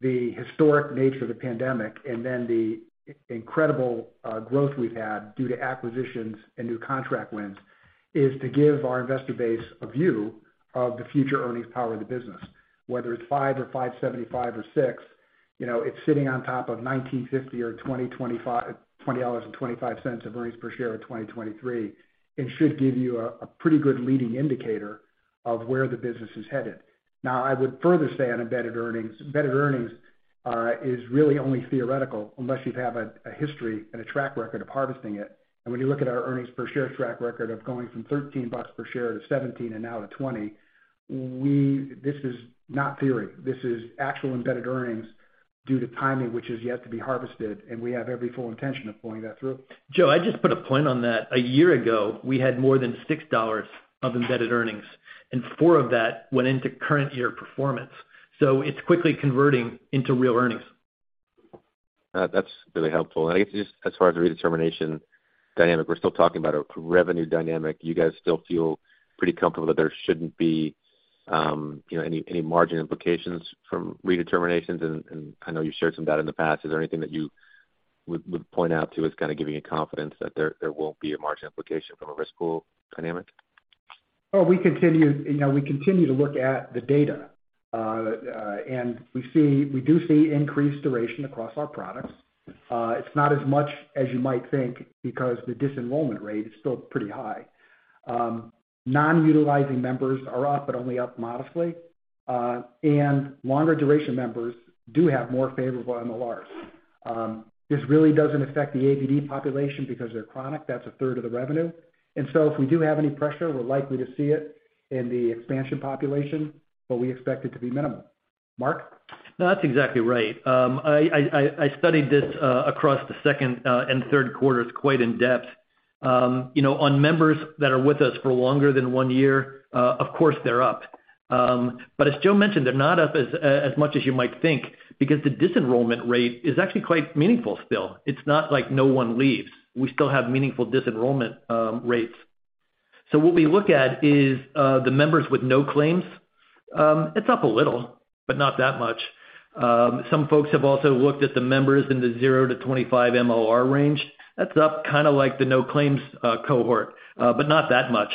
the historic nature of the pandemic and then the incredible growth we've had due to acquisitions and new contract wins, is to give our investor base a view of the future earnings power of the business. Whether it's $5 or $5.75 or $6, you know, it's sitting on top of $19.50 or $20.25 of earnings per share of 2023, and should give you a pretty good leading indicator of where the business is headed. Now, I would further say on embedded earnings is really only theoretical unless you have a history and a track record of harvesting it. When you look at our earnings per share track record of going from $13 per share to $17 and now to $20, we. This is not theory. This is actual embedded earnings due to timing, which is yet to be harvested, and we have every full intention of pulling that through. Joe, I'd just put a point on that. A year ago, we had more than $6 of embedded earnings, and $4 of that went into current year performance. It's quickly converting into real earnings. That's really helpful. I guess just as far as the redetermination dynamic, we're still talking about a revenue dynamic. You guys still feel pretty comfortable that there shouldn't be, you know, any margin implications from redeterminations. I know you've shared some of that in the past. Is there anything that you would point out to as kinda giving you confidence that there won't be a margin implication from a risk pool dynamic? Oh, we continue, you know, we continue to look at the data. We do see increased duration across our products. It's not as much as you might think because the disenrollment rate is still pretty high. Non-utilizing members are up, but only up modestly. Longer duration members do have more favorable MLRs. This really doesn't affect the ABD population because they're chronic. That's a third of the revenue. If we do have any pressure, we're likely to see it in the expansion population, but we expect it to be minimal. Mark? No, that's exactly right. I studied this across the second and third quarters quite in-depth. You know, on members that are with us for longer than one year, of course, they're up. As Joe mentioned, they're not up as much as you might think because the disenrollment rate is actually quite meaningful still. It's not like no one leaves. We still have meaningful disenrollment rates. What we look at is the members with no claims. It's up a little, but not that much. Some folks have also looked at the members in the zero to 25 MCR range. That's up kind of like the no claims cohort, but not that much.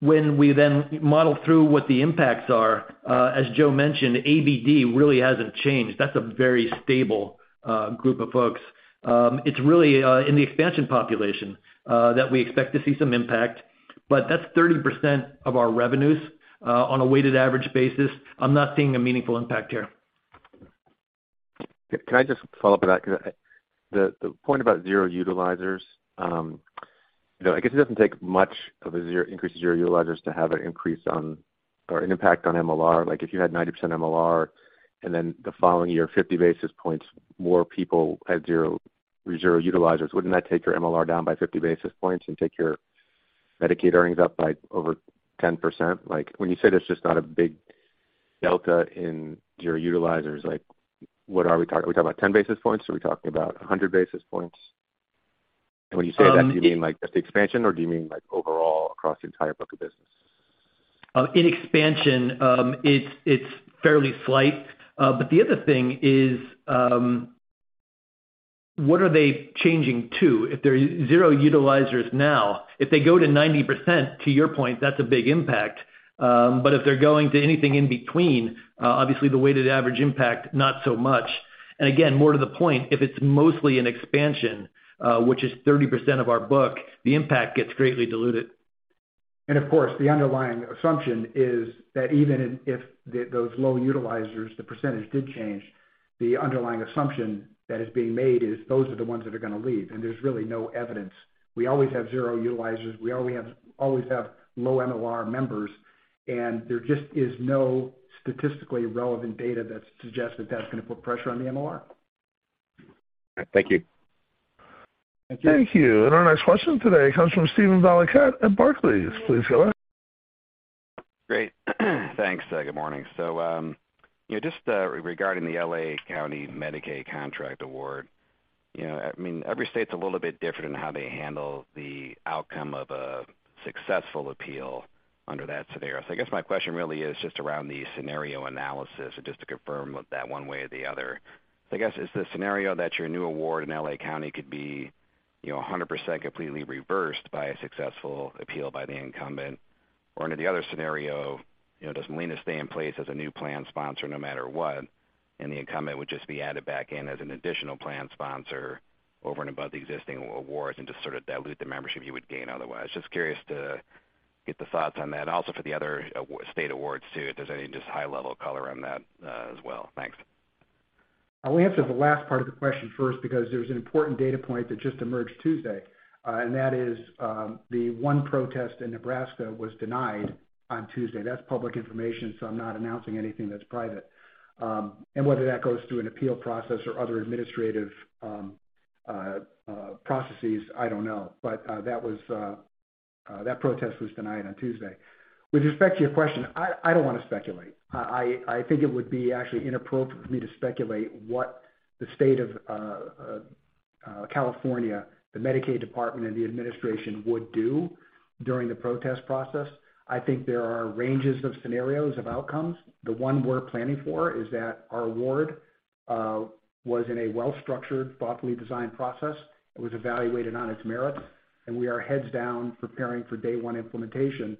When we then model through what the impacts are, as Joe mentioned, ABD really hasn't changed. That's a very stable group of folks. It's really in the expansion population that we expect to see some impact, but that's 30% of our revenues on a weighted average basis. I'm not seeing a meaningful impact here. Can I just follow up with that? The point about zero utilizers, you know, I guess it doesn't take much of an increase in zero utilizers to have an increase or an impact on MLR. Like, if you had 90% MLR, and then the following year, 50 basis points more people at zero utilizers, wouldn't that take your MLR down by 50 basis points and take your Medicaid earnings up by over 10%? Like, when you say there's just not a big delta in your utilizers, like, what are we talking about 10 basis points? Are we talking about 100 basis points? When you say that, do you mean, like, just the expansion, or do you mean, like, overall across the entire book of business? In expansion, it's fairly slight. The other thing is, what are they changing to? If they're zero utilizers now, if they go to 90%, to your point, that's a big impact. If they're going to anything in between, obviously the weighted average impact, not so much. Again, more to the point, if it's mostly an expansion, which is 30% of our book, the impact gets greatly diluted. Of course, the underlying assumption is that even if those low utilizers, the percentage did change, the underlying assumption that is being made is those are the ones that are gonna leave. There's really no evidence. We always have zero utilizers. We always have low MLR members, and there just is no statistically relevant data that suggests that that's gonna put pressure on the MLR. Thank you. Thank you. Thank you. Our next question today comes from Steven Valiquette at Barclays. Please go ahead. Great. Thanks. Good morning. You know, just regarding the L.A. County Medicaid contract award, you know, I mean, every state's a little bit different in how they handle the outcome of a successful appeal under that scenario. I guess my question really is just around the scenario analysis, and just to confirm with that one way or the other. I guess is the scenario that your new award in L.A. County could be, you know, 100% completely reversed by a successful appeal by the incumbent, or under the other scenario, you know, does Molina stay in place as a new plan sponsor no matter what, and the incumbent would just be added back in as an additional plan sponsor over and above the existing awards and just sort of dilute the membership you would gain otherwise? Just curious to get the thoughts on that. Also, for the other state awards too, if there's any just high-level color on that, as well. Thanks. I'll answer the last part of the question first because there's an important data point that just emerged Tuesday, and that is, the one protest in Nebraska was denied on Tuesday. That's public information, so I'm not announcing anything that's private. Whether that goes through an appeal process or other administrative processes, I don't know. That protest was denied on Tuesday. With respect to your question, I don't wanna speculate. I think it would be actually inappropriate for me to speculate what the state of California, the Medicaid department, and the administration would do during the protest process. I think there are ranges of scenarios of outcomes. The one we're planning for is that our award was in a well-structured, thoughtfully designed process. It was evaluated on its merit, and we are heads down preparing for day one implementation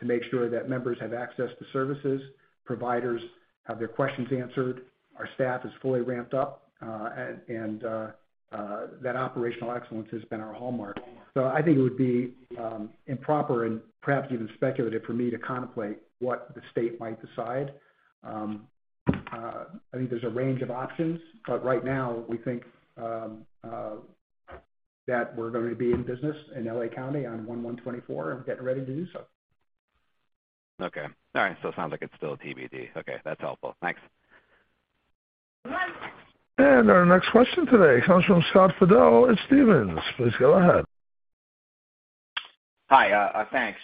to make sure that members have access to services, providers have their questions answered, our staff is fully ramped up, that operational excellence has been our hallmark. I think it would be improper and perhaps even speculative for me to contemplate what the state might decide. I think there's a range of options, but right now, we think that we're gonna be in business in L.A. County on 1/1/2024 and getting ready to do so. Okay. All right. It sounds like it's still TBD. Okay. That's helpful. Thanks. Our next question today comes from Scott Fidel at Stephens. Please go ahead. Hi. Thanks.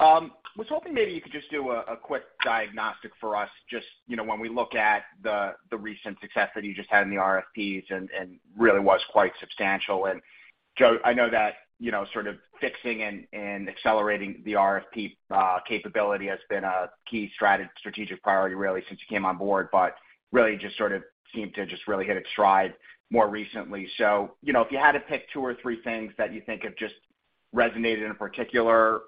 Was hoping maybe you could just do a quick diagnostic for us just, you know, when we look at the recent success that you just had in the RFPs, and really was quite substantial. Joe, I know that, you know, sort of fixing and accelerating the RFP capability has been a key strategic priority really since you came on board, but really just sort of seemed to just really hit its stride more recently. You know, if you had to pick two or three things that you think have just resonated in particular,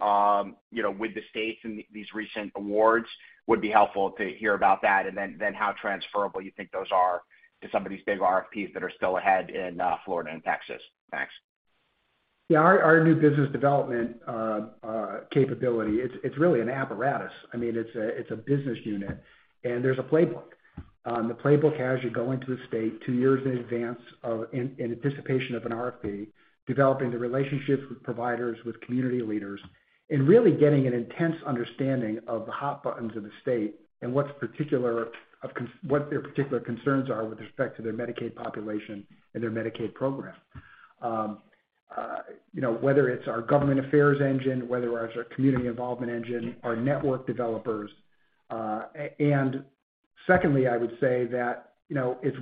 you know, with the states and these recent awards, would be helpful to hear about that, and then how transferable you think those are to some of these big RFPs that are still ahead in Florida and Texas. Thanks. Yeah. Our new business development capability, it's really an apparatus. I mean, it's a business unit, and there's a playbook. The playbook has you go into a state two years in advance in anticipation of an RFP, developing the relationships with providers, with community leaders, and really getting an intense understanding of the hot buttons of the state and what their particular concerns are with respect to their Medicaid population and their Medicaid program. You know, whether it's our government affairs engine, whether it's our community involvement engine, our network developers, and secondly, I would say that, you know, it's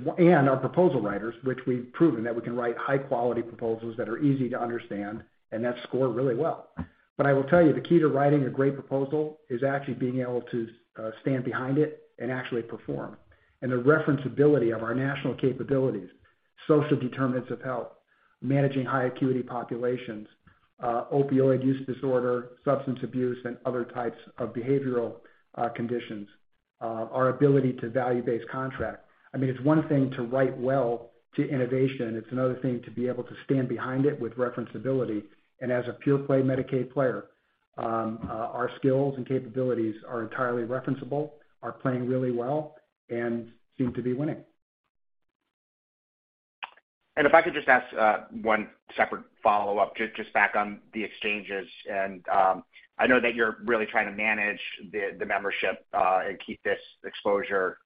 our proposal writers, which we've proven that we can write high-quality proposals that are easy to understand and that score really well. I will tell you, the key to writing a great proposal is actually being able to stand behind it and actually perform. The referability of our national capabilities, social determinants of health, managing high acuity populations, opioid use disorder, substance abuse, and other types of behavioral conditions, our ability to value-based contract. I mean, it's one thing to write well to innovation, it's another thing to be able to stand behind it with referability. As a pure play Medicaid player, our skills and capabilities are entirely referenceable, are playing really well, and seem to be winning. If I could just ask one separate follow-up, just back on the exchanges. I know that you're really trying to manage the membership and keep this exposure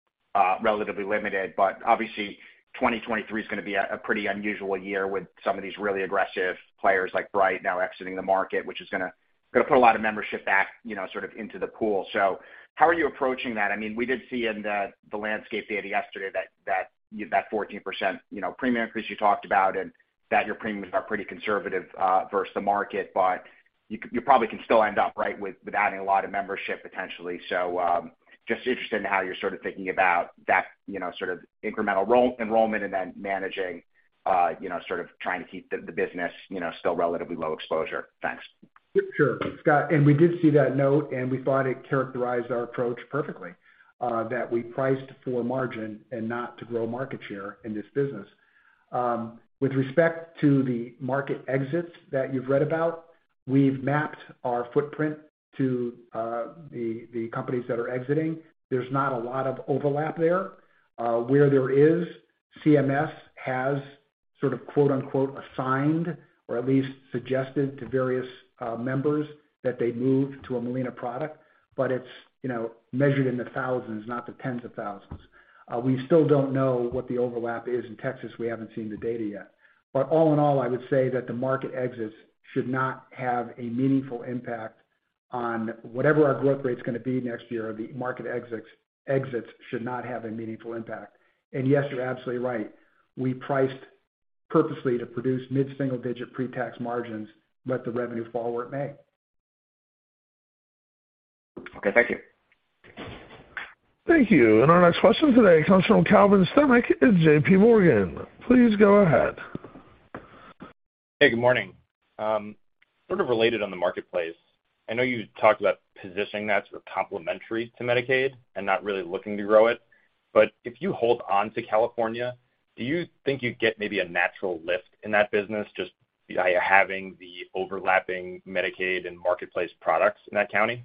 relatively limited. Obviously, 2023 is gonna be a pretty unusual year with some of these really aggressive players like Bright Health now exiting the market, which is gonna put a lot of membership back, you know, sort of into the pool. How are you approaching that? I mean, we did see in the landscape data yesterday that you 14% premium increase you talked about, and that your premiums are pretty conservative versus the market. You probably can still end up, right, with adding a lot of membership potentially. Just interested in how you're sort of thinking about that, you know, sort of incremental enrollment and then managing, you know, sort of trying to keep the business, you know, still relatively low exposure. Thanks. Sure, Scott. We did see that note, and we thought it characterized our approach perfectly, that we priced for margin and not to grow market share in this business. With respect to the market exits that you've read about, we've mapped our footprint to the companies that are exiting. There's not a lot of overlap there. Where there is, CMS has sort of "assigned" or at least suggested to various members that they move to a Molina product, but it's, you know, measured in the thousands, not the tens of thousands. We still don't know what the overlap is in Texas. We haven't seen the data yet. All in all, I would say that the market exits should not have a meaningful impact on whatever our growth rate's gonna be next year. Yes, you're absolutely right. We priced purposely to produce mid-single-digit pre-tax margins, let the revenue fall where it may. Okay. Thank you. Thank you. Our next question today comes from Calvin Sternick at JPMorgan. Please go ahead. Hey, good morning. Sort of related on the Marketplace. I know you talked about positioning that sort of complementary to Medicaid and not really looking to grow it. If you hold on to California, do you think you'd get maybe a natural lift in that business just by having the overlapping Medicaid and Marketplace products in that county?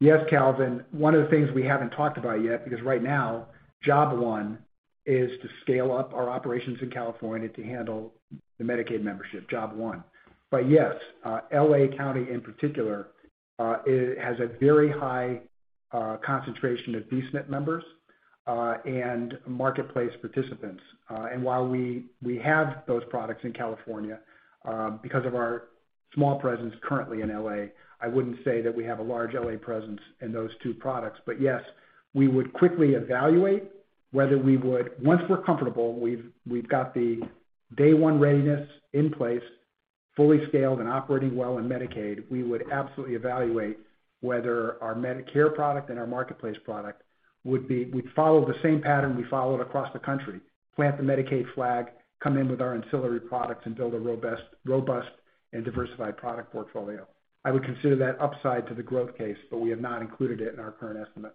Yes, Calvin. One of the things we haven't talked about yet, because right now, job one is to scale up our operations in California to handle the Medicaid membership, job one. Yes, L.A. County in particular has a very high concentration of D-SNP members and Marketplace participants. While we have those products in California, because of our small presence currently in L.A., I wouldn't say that we have a large L.A. presence in those two products. Yes, we would quickly evaluate whether we would. Once we're comfortable, we've got the day one readiness in place, fully scaled and operating well in Medicaid, we would absolutely evaluate whether our Medicare product and our Marketplace product would be. We'd follow the same pattern we followed across the country. Plant the Medicaid flag, come in with our ancillary products, and build a robust and diversified product portfolio. I would consider that upside to the growth case, but we have not included it in our current estimate.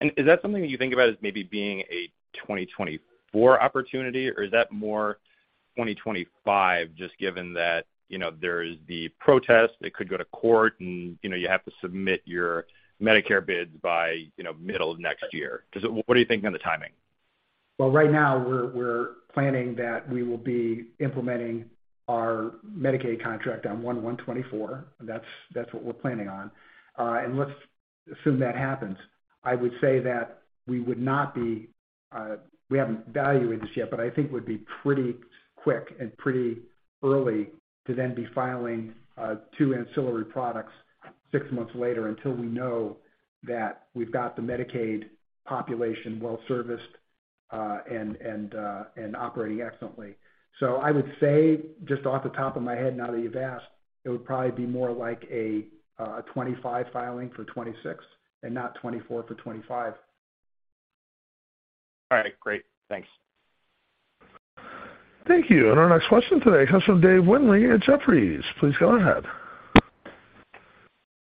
Is that something that you think about as maybe being a 2024 opportunity, or is that more 2025, just given that, you know, there is the protest, it could go to court, and, you know, you have to submit your Medicare bids by, you know, middle of next year? What are you thinking on the timing? Well, right now we're planning that we will be implementing our Medicaid contract on 1/1/2024. That's what we're planning on. Let's assume that happens. I would say that we would not be, we haven't evaluated this yet, but I think would be pretty quick and pretty early to then be filing two ancillary products six months later until we know that we've got the Medicaid population well serviced, and operating excellently. I would say, just off the top of my head now that you've asked, it would probably be more like a 2025 filing for 2026 and not 2024 for 2025. All right. Great. Thanks. Thank you. Our next question today comes from Dave Windley at Jefferies. Please go ahead.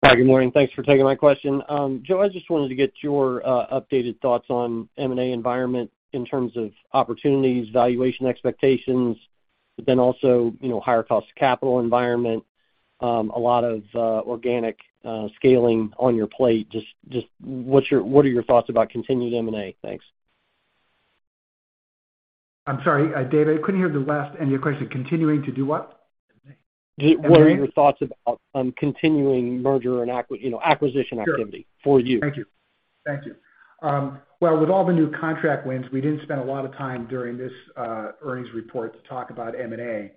Hi, good morning. Thanks for taking my question. Joe, I just wanted to get your updated thoughts on M&A environment in terms of opportunities, valuation expectations, but then also, you know, higher cost of capital environment, a lot of organic scaling on your plate. Just, what are your thoughts about continued M&A? Thanks. I'm sorry, Dave, I couldn't hear the last end of your question. Continuing to do what? What are your thoughts about continuing merger and acquisition activity for you? Thank you. Well, with all the new contract wins, we didn't spend a lot of time during this earnings report to talk about M&A.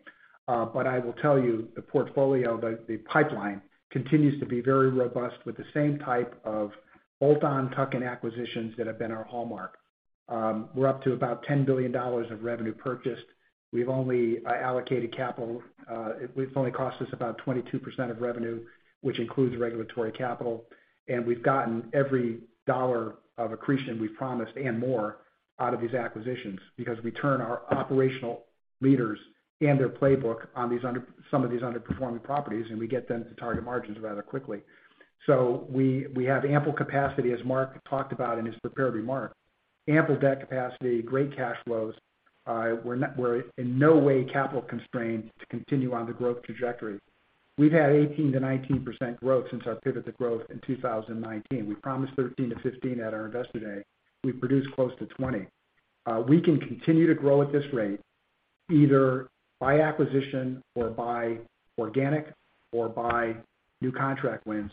I will tell you the portfolio, the pipeline continues to be very robust with the same type of bolt-on tuck-in acquisitions that have been our hallmark. We're up to about $10 billion of revenue purchased. We've only allocated capital, we've only cost us about 22% of revenue, which includes regulatory capital. We've gotten every dollar of accretion we've promised and more out of these acquisitions because we turn our operational leaders and their playbook on these, some of these underperforming properties, and we get them to target margins rather quickly. We have ample capacity, as Mark talked about in his prepared remarks, ample debt capacity, great cash flows. We're in no way capital-constrained to continue on the growth trajectory. We've had 18%-19% growth since our pivot to growth in 2019. We promised 13%-15% at our Investor Day. We've produced close to 20%. We can continue to grow at this rate, either by acquisition, or by organic, or by new contract wins,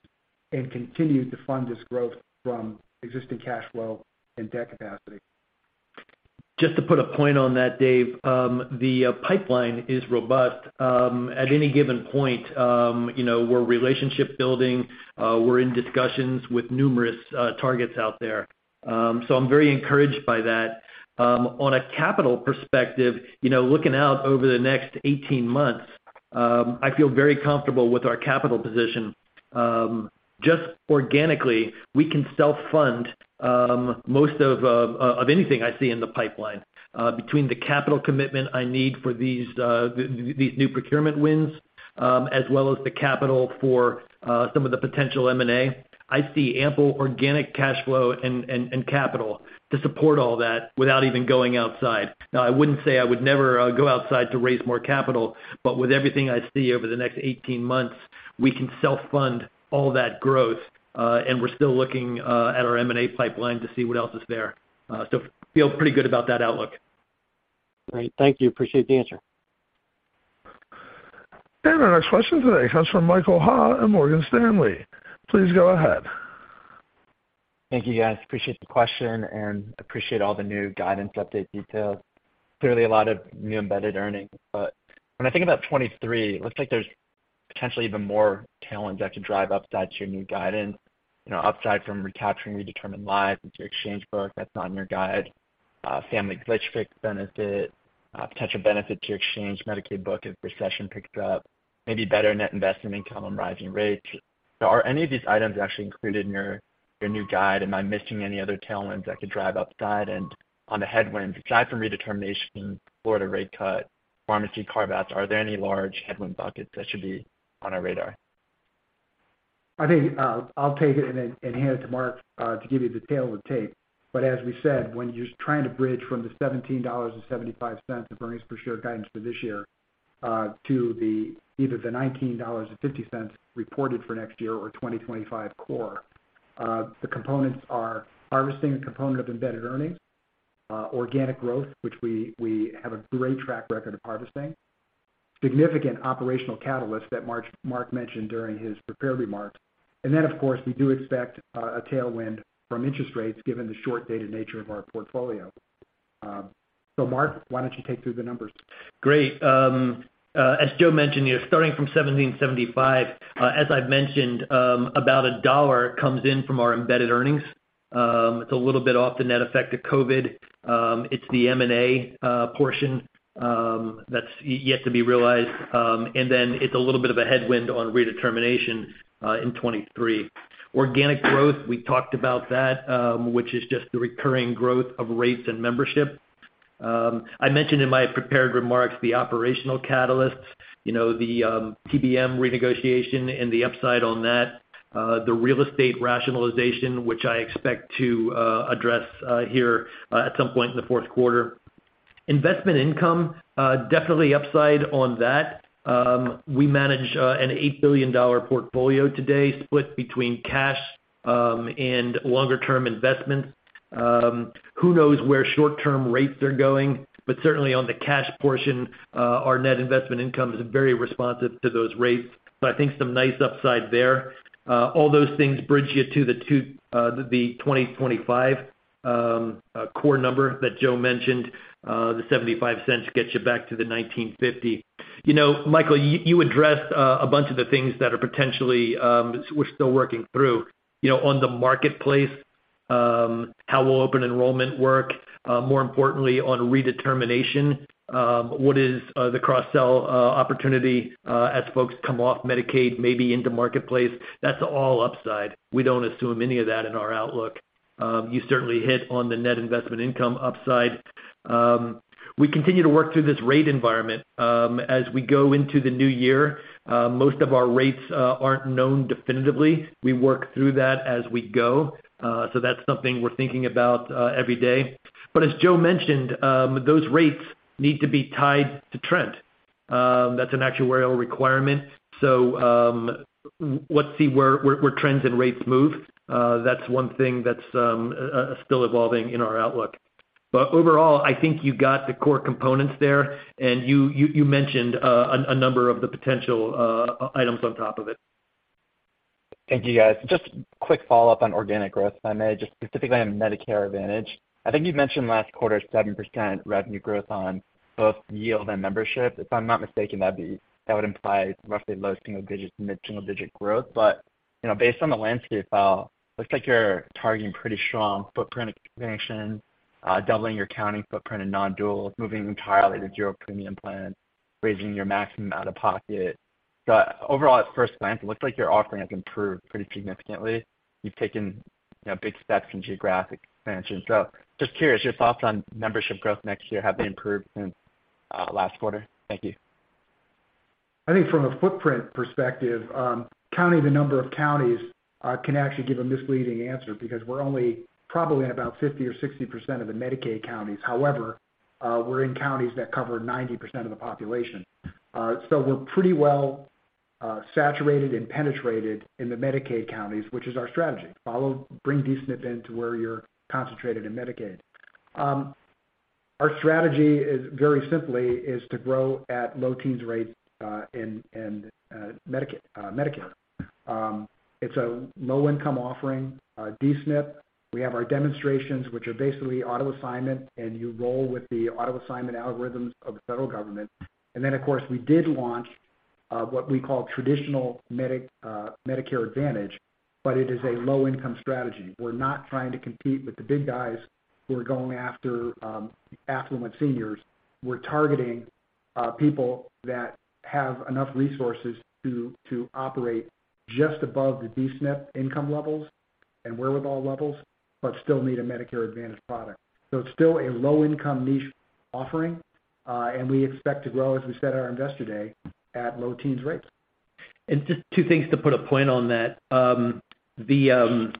and continue to fund this growth from existing cash flow and debt capacity. Just to put a point on that, Dave, the pipeline is robust. At any given point, you know, we're relationship building, we're in discussions with numerous targets out there. I'm very encouraged by that. On a capital perspective, you know, looking out over the next 18 months, I feel very comfortable with our capital position. Just organically, we can self-fund most of anything I see in the pipeline, between the capital commitment I need for these new procurement wins, as well as the capital for some of the potential M&A. I see ample organic cash flow and capital to support all that without even going outside. Now, I wouldn't say I would never go outside to raise more capital, but with everything I see over the next 18 months, we can self-fund all that growth, and we're still looking at our M&A pipeline to see what else is there. Feel pretty good about that outlook. Great. Thank you. Appreciate the answer. Our next question today comes from Michael Ha of Morgan Stanley. Please go ahead. Thank you, guys. Appreciate the question, and appreciate all the new guidance update details. Clearly, a lot of new embedded earnings. When I think about 2023, it looks like there's potentially even more tailwinds that could drive upside to your new guidance, you know, upside from recapturing redetermined lives into your exchange book that's not in your guide, family glitch fix benefit, potential benefit to your exchange Medicaid book if recession picks up, maybe better net investment income on rising rates. Are any of these items actually included in your new guide? Am I missing any other tailwinds that could drive upside? On the headwinds, aside from redetermination, Florida rate cut, pharmacy carve-outs, are there any large headwind buckets that should be on our radar? I think, I'll take it and then hand it to Mark, to give you the tale of the tape. As we said, when you're trying to bridge from the $17.75 of earnings per share guidance for this year, to either the $19.50 reported for next year or 2025 core, the components are harvesting a component of embedded earnings, organic growth, which we have a great track record of harvesting, significant operational catalysts that Mark mentioned during his prepared remarks. Of course, we do expect a tailwind from interest rates given the short-dated nature of our portfolio. Mark, why don't you take through the numbers? Great. As Joe mentioned, you know, starting from $17.75, as I've mentioned, about a dollar comes in from our embedded earnings. It's a little bit off the net effect of COVID. It's the M&A portion that's yet to be realized. It's a little bit of a headwind on redetermination in 2023. Organic growth, we talked about that, which is just the recurring growth of rates and membership. I mentioned in my prepared remarks the operational catalysts, you know, the PBM renegotiation and the upside on that, the real estate rationalization, which I expect to address here at some point in the fourth quarter. Investment income, definitely upside on that. We manage an $8 billion portfolio today, split between cash and longer-term investments. Who knows where short-term rates are going, but certainly on the cash portion, our net investment income is very responsive to those rates. I think some nice upside there. All those things bridge you to the 2025 core number that Joe mentioned. The $0.75 gets you back to the $1.95. You know, Michael, you addressed a bunch of the things that are potentially we're still working through. You know, on the Marketplace, how will open enrollment work? More importantly, on redetermination, what is the cross-sell opportunity as folks come off Medicaid, maybe intothe Marketplace? That's all upside. We don't assume any of that in our outlook. You certainly hit on the net investment income upside. We continue to work through this rate environment as we go into the new year. Most of our rates aren't known definitively. We work through that as we go. That's something we're thinking about every day. As Joe mentioned, those rates need to be tied to trend. That's an actuarial requirement. Let's see where trends and rates move. That's one thing that's still evolving in our outlook. Overall, I think you got the core components there, and you mentioned a number of the potential items on top of it. Thank you, guys. Just a quick follow-up on organic growth, if I may, just specifically on Medicare Advantage. I think you've mentioned last quarter 7% revenue growth on both yield and membership. If I'm not mistaken, that would imply roughly low single-digits, mid-single-digit growth. You know, based on the landscape, looks like you're targeting pretty strong footprint expansion, doubling your county footprint in non-dual, moving entirely to a zero-premium plan, raising your maximum out-of-pocket. Overall, at first glance, it looks like your offering has improved pretty significantly. You've taken, you know, big steps in geographic expansion. Just curious, your thoughts on membership growth next year, have they improved since last quarter? Thank you. I think from a footprint perspective, counting the number of counties can actually give a misleading answer because we're only probably at about 50% or 60% of the Medicaid counties. However, we're in counties that cover 90% of the population. We're pretty well saturated and penetrated in the Medicaid counties, which is our strategy. Bring D-SNP into where you're concentrated in Medicaid. Our strategy is very simply to grow at low-teens rates in Medicare. It's a low-income offering, D-SNP. We have our demonstrations, which are basically auto-assignment, and you roll with the auto-assignment algorithms of the federal government. Then, of course, we did launch what we call traditional Medicare Advantage, but it is a low-income strategy. We're not trying to compete with the big guys who are going after affluent seniors. We're targeting people that have enough resources to operate just above the D-SNP income levels and wherewithal levels, but still need a Medicare Advantage product. It's still a low-income niche offering, and we expect to grow, as we said at our Investor Day, at low-teens rates. Just two things to put a point on that. The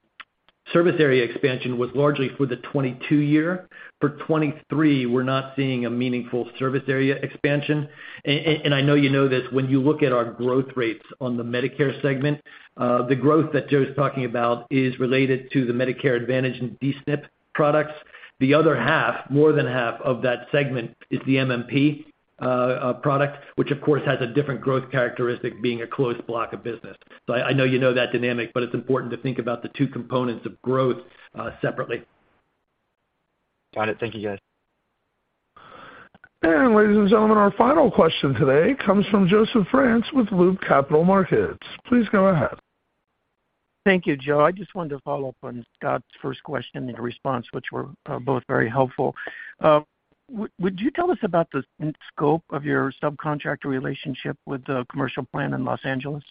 service area expansion was largely for the 2022 year. For 2023, we're not seeing a meaningful service area expansion. And I know you know this, when you look at our growth rates on the Medicare segment, the growth that Joe's talking about is related to the Medicare Advantage and D-SNP products. The other half, more than half of that segment, is the MMP product, which of course, has a different growth characteristic being a closed block of business. I know you know that dynamic, but it's important to think about the two components of growth, separately. Got it. Thank you, guys. Ladies and gentlemen, our final question today comes from Joseph France with Loop Capital Markets. Please go ahead. Thank you, Joe. I just wanted to follow up on Scott's first question and your response, which were both very helpful. Would you tell us about the scope of your subcontractor relationship with the commercial plan in Los Angeles?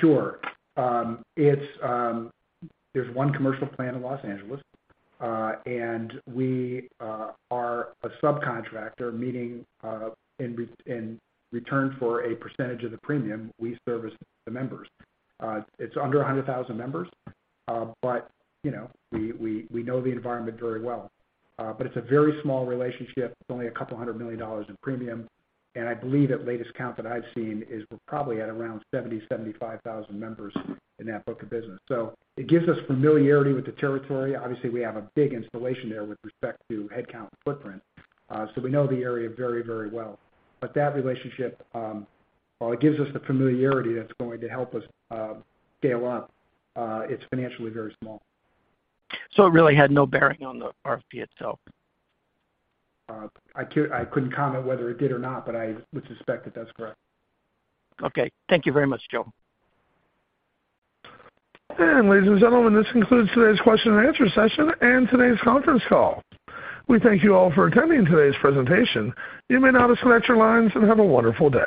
Sure. It's, there's one commercial plan in Los Angeles, and we are a subcontractor, meaning, in return for a percentage of the premium, we service the members. It's under 100,000 members, but, you know, we know the environment very well. It's a very small relationship. It's only $100 million in premium. I believe at latest count that I've seen is we're probably at around 70-75,000 members in that book of business. It gives us familiarity with the territory. Obviously, we have a big installation there with respect to headcount footprint. We know the area very, very well. That relationship, while it gives us the familiarity that's going to help us scale up, it's financially very small. It really had no bearing on the RFP itself? I couldn't comment whether it did or not, but I would suspect that that's correct. Okay. Thank you very much, Joe. Ladies and gentlemen, this concludes today's question and answer session and today's conference call. We thank you all for attending today's presentation. You may now disconnect your lines, and have a wonderful day.